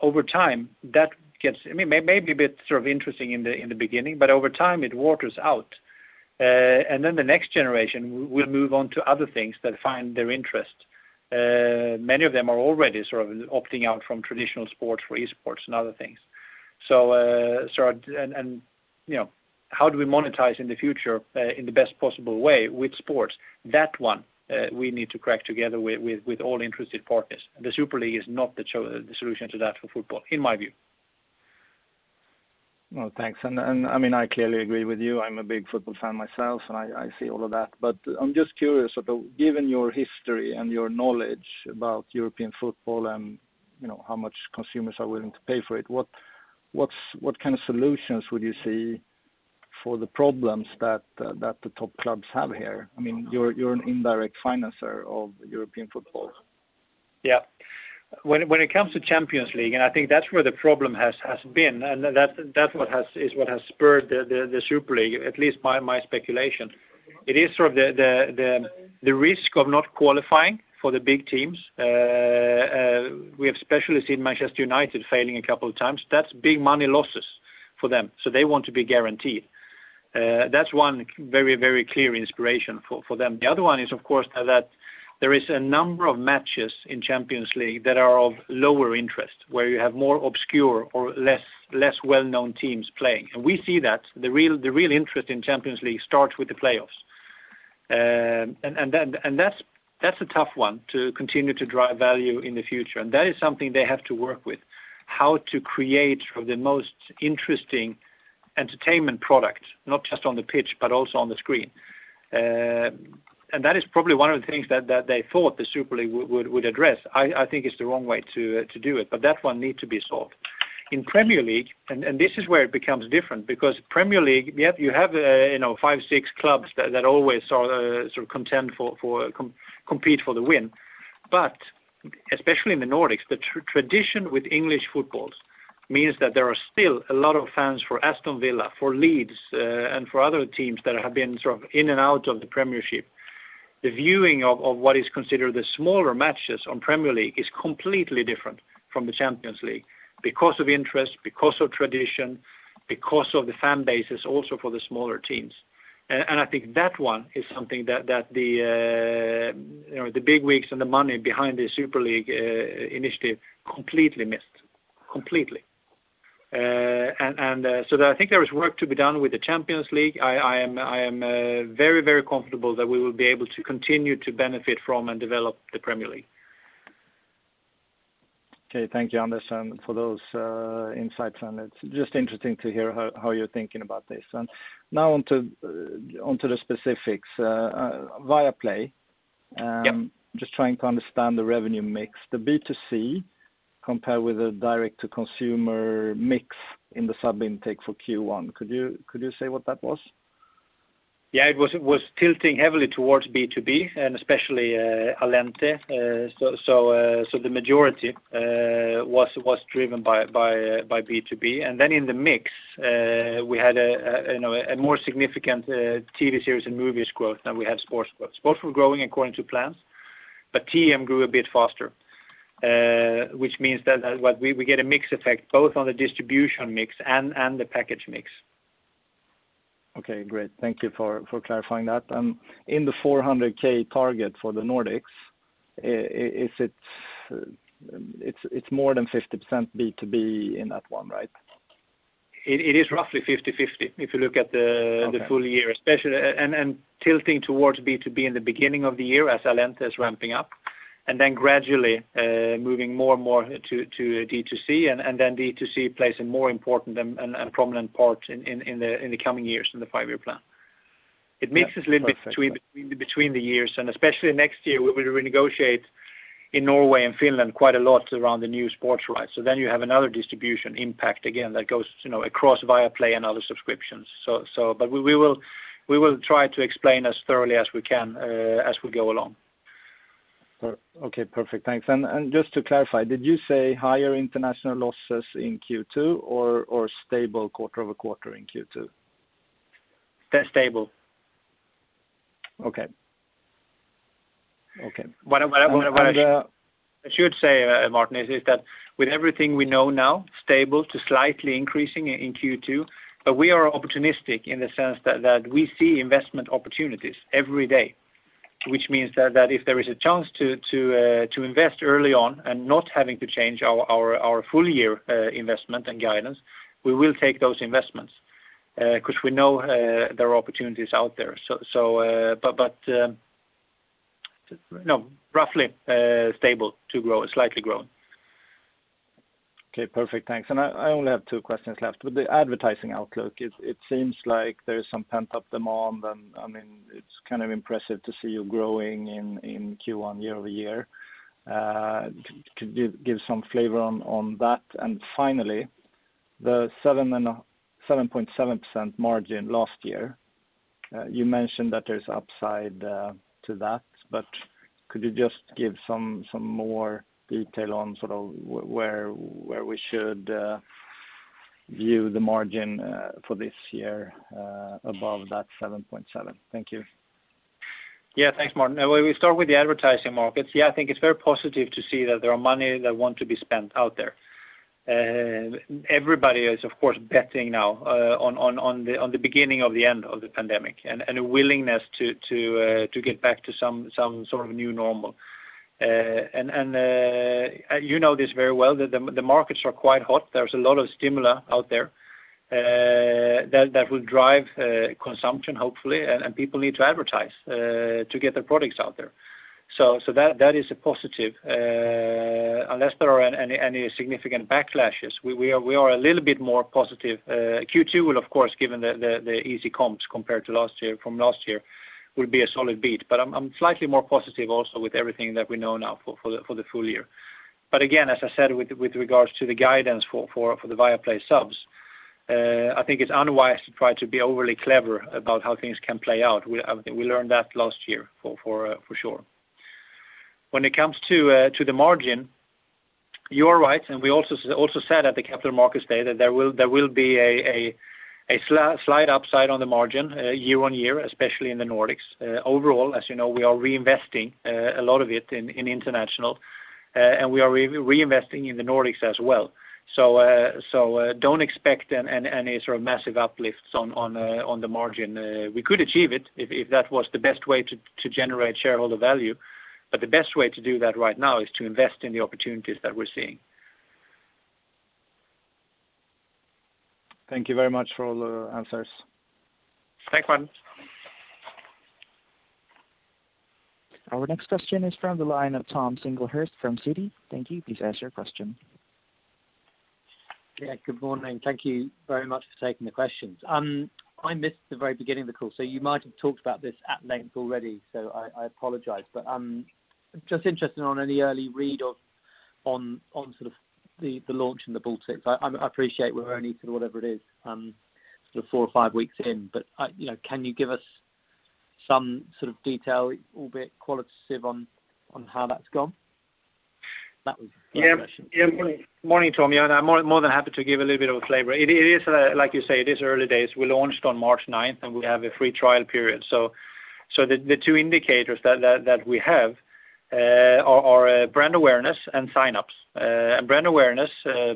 Maybe a bit sort of interesting in the beginning, but over time it waters out. The next generation will move on to other things that find their interest. Many of them are already sort of opting out from traditional sports for e-sports and other things. How do we monetize in the future, in the best possible way with sports? That one we need to crack together with all interested partners. The Super League is not the solution to that for football, in my view. Well, thanks. I clearly agree with you. I'm a big football fan myself, and I see all of that. I'm just curious, given your history and your knowledge about European football and how much consumers are willing to pay for it, what kind of solutions would you see for the problems that the top clubs have here? You're an indirect financer of European football. Yeah. When it comes to Champions League, I think that's where the problem has been, and that is what has spurred the Super League, at least by my speculation. It is sort of the risk of not qualifying for the big teams. We have especially seen Manchester United failing a couple of times. That's big money losses for them, so they want to be guaranteed. That's one very clear inspiration for them. The other one is, of course, that there is a number of matches in Champions League that are of lower interest, where you have more obscure or less well-known teams playing. We see that. The real interest in Champions League starts with the playoffs. That's a tough one to continue to drive value in the future. That is something they have to work with, how to create the most interesting entertainment product, not just on the pitch, but also on the screen. That is probably one of the things that they thought The Super League would address. I think it's the wrong way to do it, but that one need to be solved. In Premier League, and this is where it becomes different, because Premier League, you have five, six clubs that always compete for the win. Especially in the Nordics, the tradition with English football means that there are still a lot of fans for Aston Villa, for Leeds, and for other teams that have been sort of in and out of the Premiership. The viewing of what is considered the smaller matches on Premier League is completely different from the Champions League because of interest, because of tradition, because of the fan bases also for the smaller teams. I think that one is something that the bigwigs and the money behind the Super League initiative completely missed. Completely. I think there is work to be done with the Champions League. I am very comfortable that we will be able to continue to benefit from and develop the Premier League. Okay, thank you, Anders, for those insights. It's just interesting to hear how you're thinking about this. Now onto the specifics. Viaplay. Yep. Just trying to understand the revenue mix. The B2C compared with the direct-to-consumer mix in the sub intake for Q1, could you say what that was? It was tilting heavily towards B2B, and especially Allente. The majority was driven by B2B. In the mix, we had a more significant TV series and movies growth than we had sports growth. Sports were growing according to plans, but TM grew a bit faster, which means that we get a mix effect both on the distribution mix and the package mix. Okay, great. Thank you for clarifying that. In the 400K target for the Nordics, it's more than 50% B2B in that one, right? It is roughly 50/50 if you look at the full year. Okay. Tilting towards B2B in the beginning of the year as Allente is ramping up. Then gradually, moving more and more to D2C, and then D2C plays a more important and prominent part in the coming years in the five-year plan. It mixes a little bit between the years, and especially next year, we will renegotiate in Norway and Finland quite a lot around the new sports rights. You have another distribution impact again that goes across Viaplay and other subscriptions. We will try to explain as thoroughly as we can, as we go along. Okay, perfect. Thanks. Just to clarify, did you say higher international losses in Q2 or stable quarter-over-quarter in Q2? They're stable. Okay. What I- And- I should say, Martin, is that with everything we know now, stable to slightly increasing in Q2. We are opportunistic in the sense that we see investment opportunities every day. Which means that if there is a chance to invest early on and not having to change our full-year investment and guidance, we will take those investments. We know there are opportunities out there. Roughly stable to grow, slightly grown. Okay, perfect. Thanks. I only have two questions left. With the advertising outlook, it seems like there is some pent-up demand, and it's kind of impressive to see you growing in Q1 year-over-year. Could you give some flavor on that? Finally, the 7.7% margin last year, you mentioned that there's upside to that, could you just give some more detail on where we should view the margin for this year above that 7.7%? Thank you. Yeah, thanks, Martin. We start with the advertising markets. I think it's very positive to see that there are money that want to be spent out there. Everybody is, of course, betting now on the beginning of the end of the pandemic and a willingness to get back to some sort of new normal. You know this very well, that the markets are quite hot. There's a lot of stimuli out there that will drive consumption, hopefully, and people need to advertise to get their products out there. That is a positive. Unless there are any significant backlashes. We are a little bit more positive. Q2 will, of course, given the easy comps compared to last year, will be a solid beat. I'm slightly more positive also with everything that we know now for the full year. Again, as I said, with regards to the guidance for the Viaplay subs, I think it's unwise to try to be overly clever about how things can play out. I think we learned that last year for sure. When it comes to the margin, you are right, and we also said at the capital markets day that there will be a slight upside on the margin year-on-year, especially in the Nordics. Overall, as you know, we are reinvesting a lot of it in international, and we are reinvesting in the Nordics as well. Don't expect any sort of massive uplifts on the margin. We could achieve it if that was the best way to generate shareholder value. The best way to do that right now is to invest in the opportunities that we're seeing. Thank you very much for all the answers. Thanks, Martin. Our next question is from the line of Tom Singlehurst from Citi. Thank you. Please ask your question. Yeah, good morning. Thank you very much for taking the questions. I missed the very beginning of the call, so you might have talked about this at length already. I apologize. I'm just interested on any early read on sort of the launch in the Baltics. I appreciate we're only sort of whatever it is, four or five weeks in. Can you give us some sort of detail, albeit qualitative, on how that's gone? That was the first question. Yeah. Morning, Tom. Yeah, I'm more than happy to give a little bit of a flavor. Like you say, it is early days. We launched on March 9th, we have a free trial period. The two indicators that we have are brand awareness and sign-ups. Brand awareness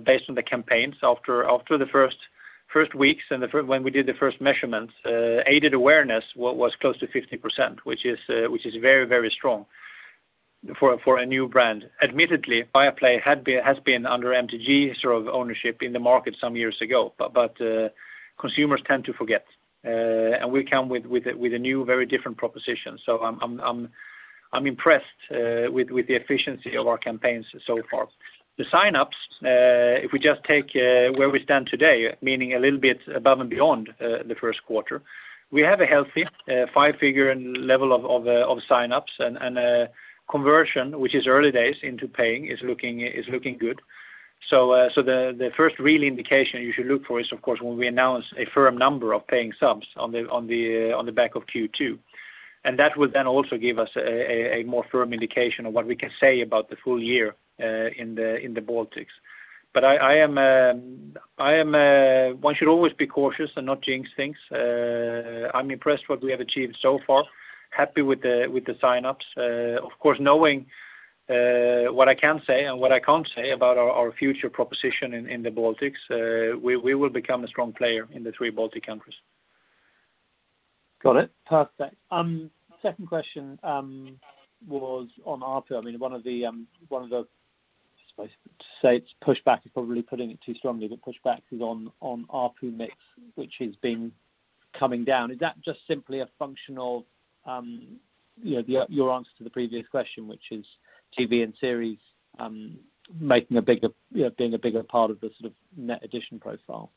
based on the campaigns after the first weeks and when we did the first measurements, aided awareness was close to 50%, which is very, very strong for a new brand. Admittedly, Viaplay has been under MTG sort of ownership in the market some years ago. Consumers tend to forget, we come with a new, very different proposition. I'm impressed with the efficiency of our campaigns so far. The sign-ups, if we just take where we stand today, meaning a little bit above and beyond the first quarter, we have a healthy five-figure level of sign-ups and conversion, which is early days into paying is looking good. The first real indication you should look for is, of course, when we announce a firm number of paying subs on the back of Q2. That would then also give us a more firm indication of what we can say about the full year in the Baltics. One should always be cautious and not jinx things. I'm impressed what we have achieved so far. Happy with the sign-ups. Knowing what I can say and what I can't say about our future proposition in the Baltics, we will become a strong player in the three Baltic countries. Got it. Perfect. Second question was on ARPU. I mean, one of the, I suppose to say it is pushback is probably putting it too strongly, but pushback is on ARPU mix, which has been coming down. Is that just simply a function of your answer to the previous question, which is TV and series being a bigger part of the sort of net addition profile?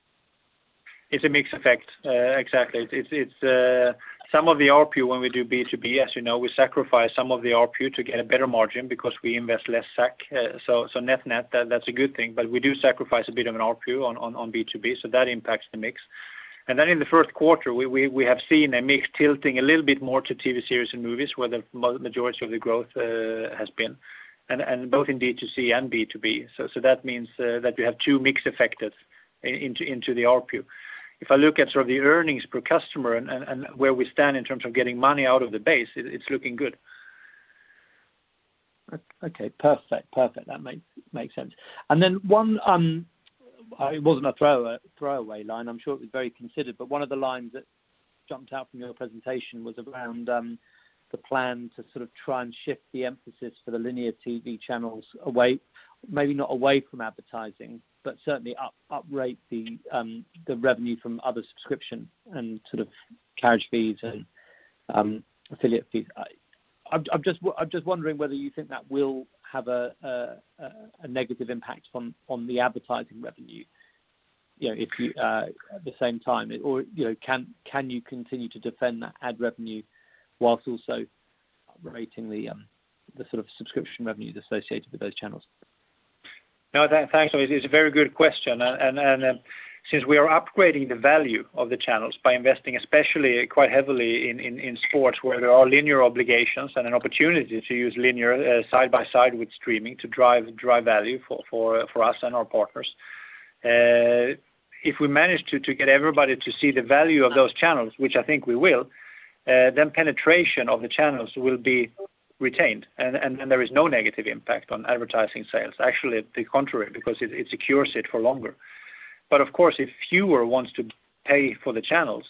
It's a mix effect. Exactly. Some of the ARPU when we do B2B, as you know, we sacrifice some of the ARPU to get a better margin because we invest less SAC. Net-net, that's a good thing, but we do sacrifice a bit of an ARPU on B2B, so that impacts the mix. In the first quarter, we have seen a mix tilting a little bit more to TV series and movies where the majority of the growth has been, and both in D2C and B2B. That means that we have two mix effects into the ARPU. If I look at sort of the earnings per customer and where we stand in terms of getting money out of the base, it's looking good. Okay, perfect. That makes sense. Then one, it wasn't a throwaway line, I'm sure it was very considered, but one of the lines that jumped out from your presentation was around the plan to sort of try and shift the emphasis for the linear TV channels, maybe not away from advertising, but certainly uprate the revenue from other subscription and carriage fees and affiliate fees. I'm just wondering whether you think that will have a negative impact on the advertising revenue at the same time, or can you continue to defend that ad revenue whilst also uprating the sort of subscription revenues associated with those channels? No, thanks. It's a very good question. Since we are upgrading the value of the channels by investing, especially quite heavily in sports where there are linear obligations and an opportunity to use linear side by side with streaming to drive value for us and our partners. If we manage to get everybody to see the value of those channels, which I think we will, then penetration of the channels will be retained, and there is no negative impact on advertising sales. Actually, the contrary, because it secures it for longer. Of course, if fewer wants to pay for the channels,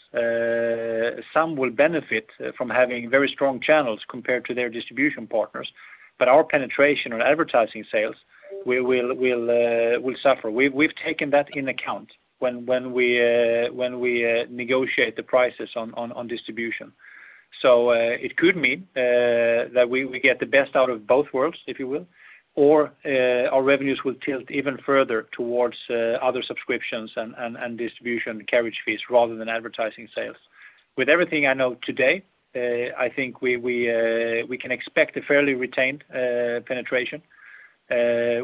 some will benefit from having very strong channels compared to their distribution partners. Our penetration on advertising sales will suffer. We've taken that into account when we negotiate the prices on distribution. It could mean that we get the best out of both worlds, if you will, or our revenues will tilt even further towards other subscriptions and distribution carriage fees rather than advertising sales. With everything I know today, I think we can expect a fairly retained penetration,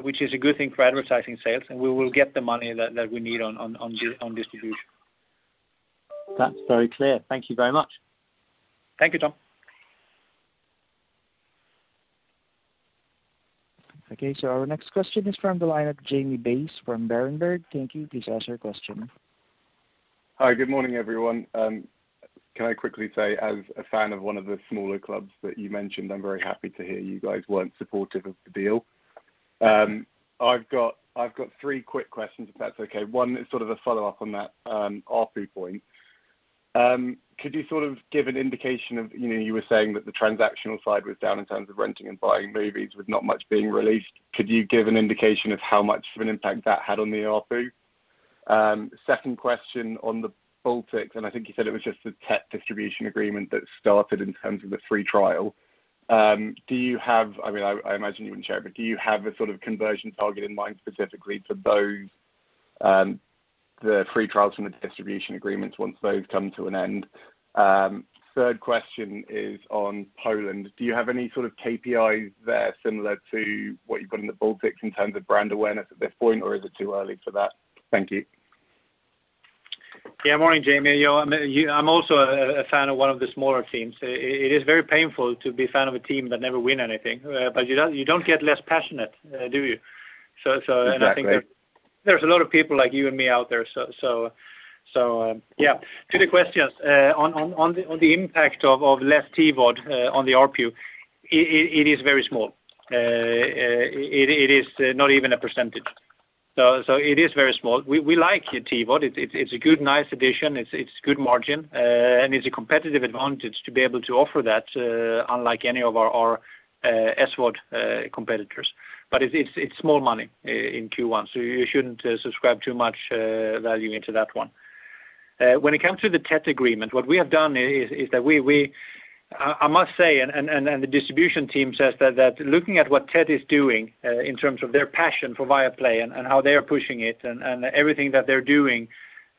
which is a good thing for advertising sales, and we will get the money that we need on distribution. That's very clear. Thank you very much. Thank you, Tom. Okay, our next question is from the line of Jamie Bass from Berenberg. Thank you. Please ask your question. Hi. Good morning, everyone. Can I quickly say, as a fan of one of the smaller clubs that you mentioned, I'm very happy to hear you guys weren't supportive of the deal. I've got three quick questions, if that's okay. One is sort of a follow-up on that ARPU point. You were saying that the transactional side was down in terms of renting and buying movies with not much being released. Could you give an indication of how much of an impact that had on the ARPU? Second question on the Baltics. I think you said it was just a tech distribution agreement that started in terms of the free trial. I imagine you wouldn't share, but do you have a sort of conversion target in mind specifically for both the free trials and the distribution agreements once those come to an end? Third question is on Poland. Do you have any sort of KPIs there similar to what you've got in the Baltics in terms of brand awareness at this point, or is it too early for that? Thank you. Morning, Jamie. I'm also a fan of one of the smaller teams. It is very painful to be a fan of a team that never win anything. You don't get less passionate, do you? Exactly. There's a lot of people like you and me out there. To the questions. On the impact of less TVOD on the ARPU, it is very small. It is not even a percentage. It is very small. We like TVOD. It's a good, nice addition. It's good margin, and it's a competitive advantage to be able to offer that, unlike any of our SVOD competitors. It's small money in Q1, so you shouldn't subscribe too much value into that one. When it comes to the tech agreement, what we have done is that I must say, and the distribution team says that looking at what Tet is doing in terms of their passion for Viaplay and how they are pushing it and everything that they're doing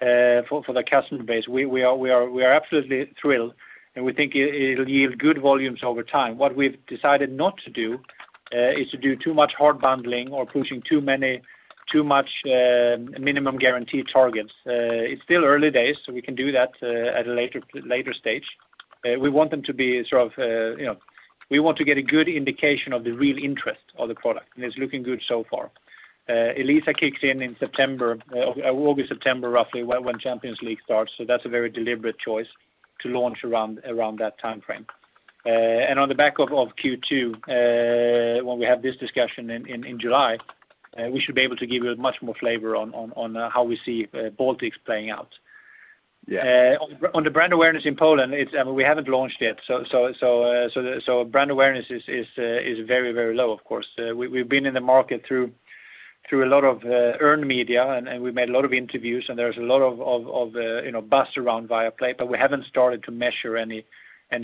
for the customer base, we are absolutely thrilled, and we think it'll yield good volumes over time. What we've decided not to do is to do too much hard bundling or pushing too much minimum guarantee targets. It's still early days. We can do that at a later stage. We want to get a good indication of the real interest of the product. It's looking good so far. Elisa kicks in in September, August, September, roughly when Champions League starts. That's a very deliberate choice to launch around that timeframe. On the back of Q2, when we have this discussion in July, we should be able to give you much more flavor on how we see Baltics playing out. Yeah. On the brand awareness in Poland, we haven't launched yet. Brand awareness is very, very low, of course. We've been in the market through a lot of earned media, and we made a lot of interviews, and there's a lot of buzz around Viaplay, but we haven't started to measure any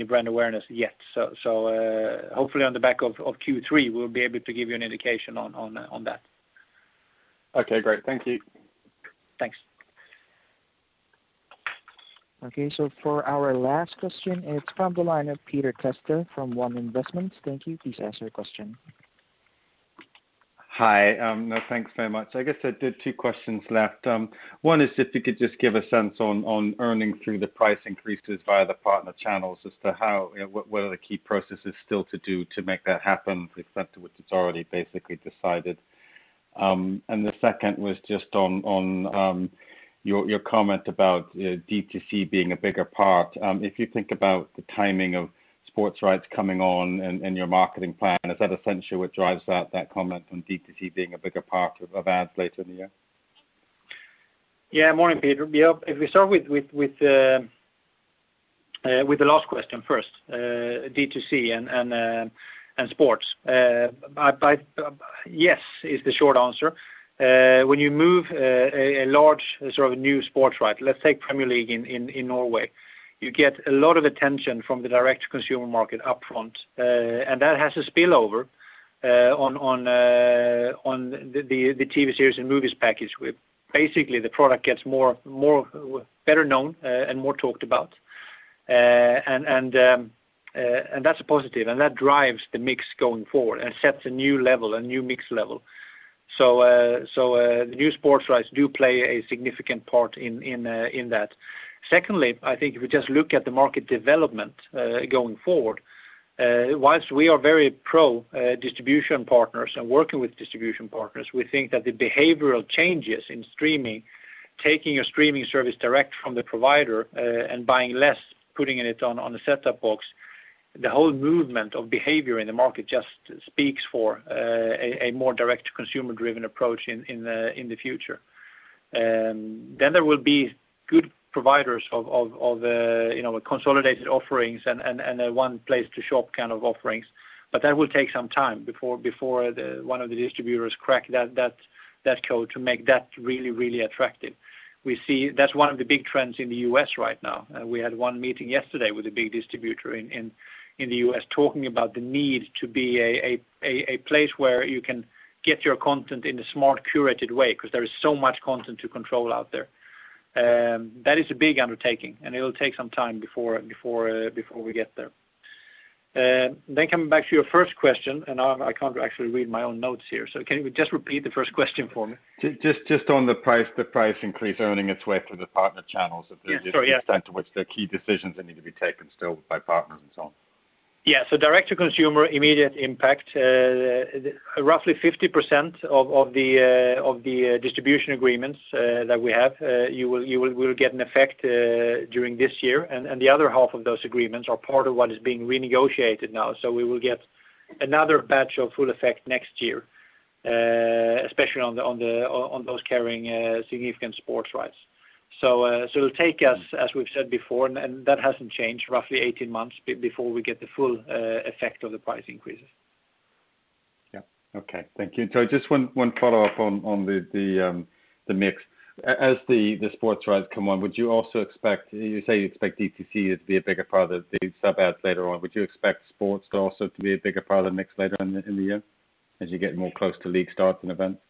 brand awareness yet. Hopefully on the back of Q3, we'll be able to give you an indication on that. Okay, great. Thank you. Thanks. For our last question, it's from the line of Peter Testa from One Investments. Thank you. Please ask your question. Hi. No, thanks very much. I guess I did two questions left. One is if you could just give a sense on earnings through the price increases via the partner channels as to what are the key processes still to do to make that happen if that's what it's already basically decided. The second was just on your comment about D2C being a bigger part. If you think about the timing of sports rights coming on and your marketing plan, is that essentially what drives that comment on D2C being a bigger part of ads later in the year? Yeah. Morning, Peter. If we start with the last question first, D2C and sports. Yes is the short answer. When you move a large new sports right, let's take Premier League in Norway, you get a lot of attention from the direct consumer market upfront. That has a spillover on the TV series and movies package, where basically the product gets better known and more talked about. That's a positive, and that drives the mix going forward and sets a new level, a new mix level. The new sports rights do play a significant part in that. Secondly, I think if we just look at the market development going forward, whilst we are very pro distribution partners and working with distribution partners, we think that the behavioral changes in streaming, taking a streaming service direct from the provider and buying less, putting it on a set-top box, the whole movement of behavior in the market just speaks for a more direct consumer-driven approach in the future. There will be good providers of consolidated offerings and a one place to shop kind of offerings. That will take some time before one of the distributors crack that code to make that really attractive. That's one of the big trends in the U.S. right now. We had one meeting yesterday with a big distributor in the U.S. talking about the need to be a place where you can get your content in a smart, curated way because there is so much content to control out there. That is a big undertaking, and it'll take some time before we get there. Coming back to your first question, and now I can't actually read my own notes here, so can you just repeat the first question for me? Just on the price increase earning its way through the partner channels. Yeah, sorry, yeah. to what extent to which there are key decisions that need to be taken still by partners and so on. Yeah. Direct to consumer, immediate impact, roughly 50% of the distribution agreements that we have will get an effect during this year, and the other half of those agreements are part of what is being renegotiated now. We will get another batch of full effect next year, especially on those carrying significant sports rights. It'll take us, as we've said before, and that hasn't changed, roughly 18 months before we get the full effect of the price increases. Yeah. Okay. Thank you. Just one follow-up on the mix. As the sports rights come on, you say you expect D2C to be a bigger part of the subs later on. Would you expect sports to also be a bigger part of the mix later in the year as you get more close to league starts and events?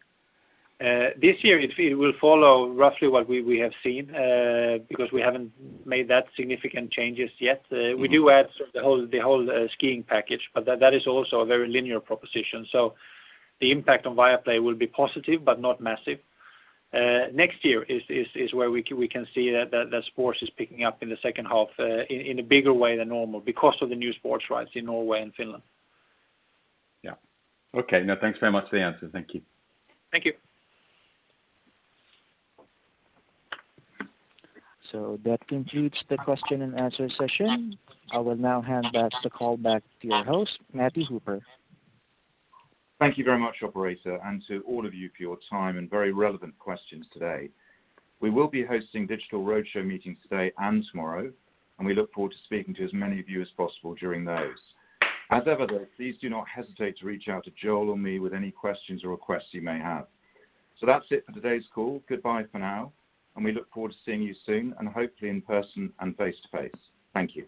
This year it will follow roughly what we have seen, because we haven't made that significant changes yet. We do add the whole skiing package. That is also a very linear proposition. The impact on Viaplay will be positive but not massive. Next year is where we can see that sports is picking up in the second half in a bigger way than normal because of the new sports rights in Norway and Finland. Yeah. Okay. Thanks very much for the answer. Thank you. Thank you. That concludes the question-and-answer session. I will now hand the call back to your host, Matthew Hooper. Thank you very much, operator, and to all of you for your time and very relevant questions today. We will be hosting digital roadshow meetings today and tomorrow, and we look forward to speaking to as many of you as possible during those. As ever, though, please do not hesitate to reach out to Joel or me with any questions or requests you may have. That's it for today's call. Goodbye for now, and we look forward to seeing you soon and hopefully in person and face to face. Thank you.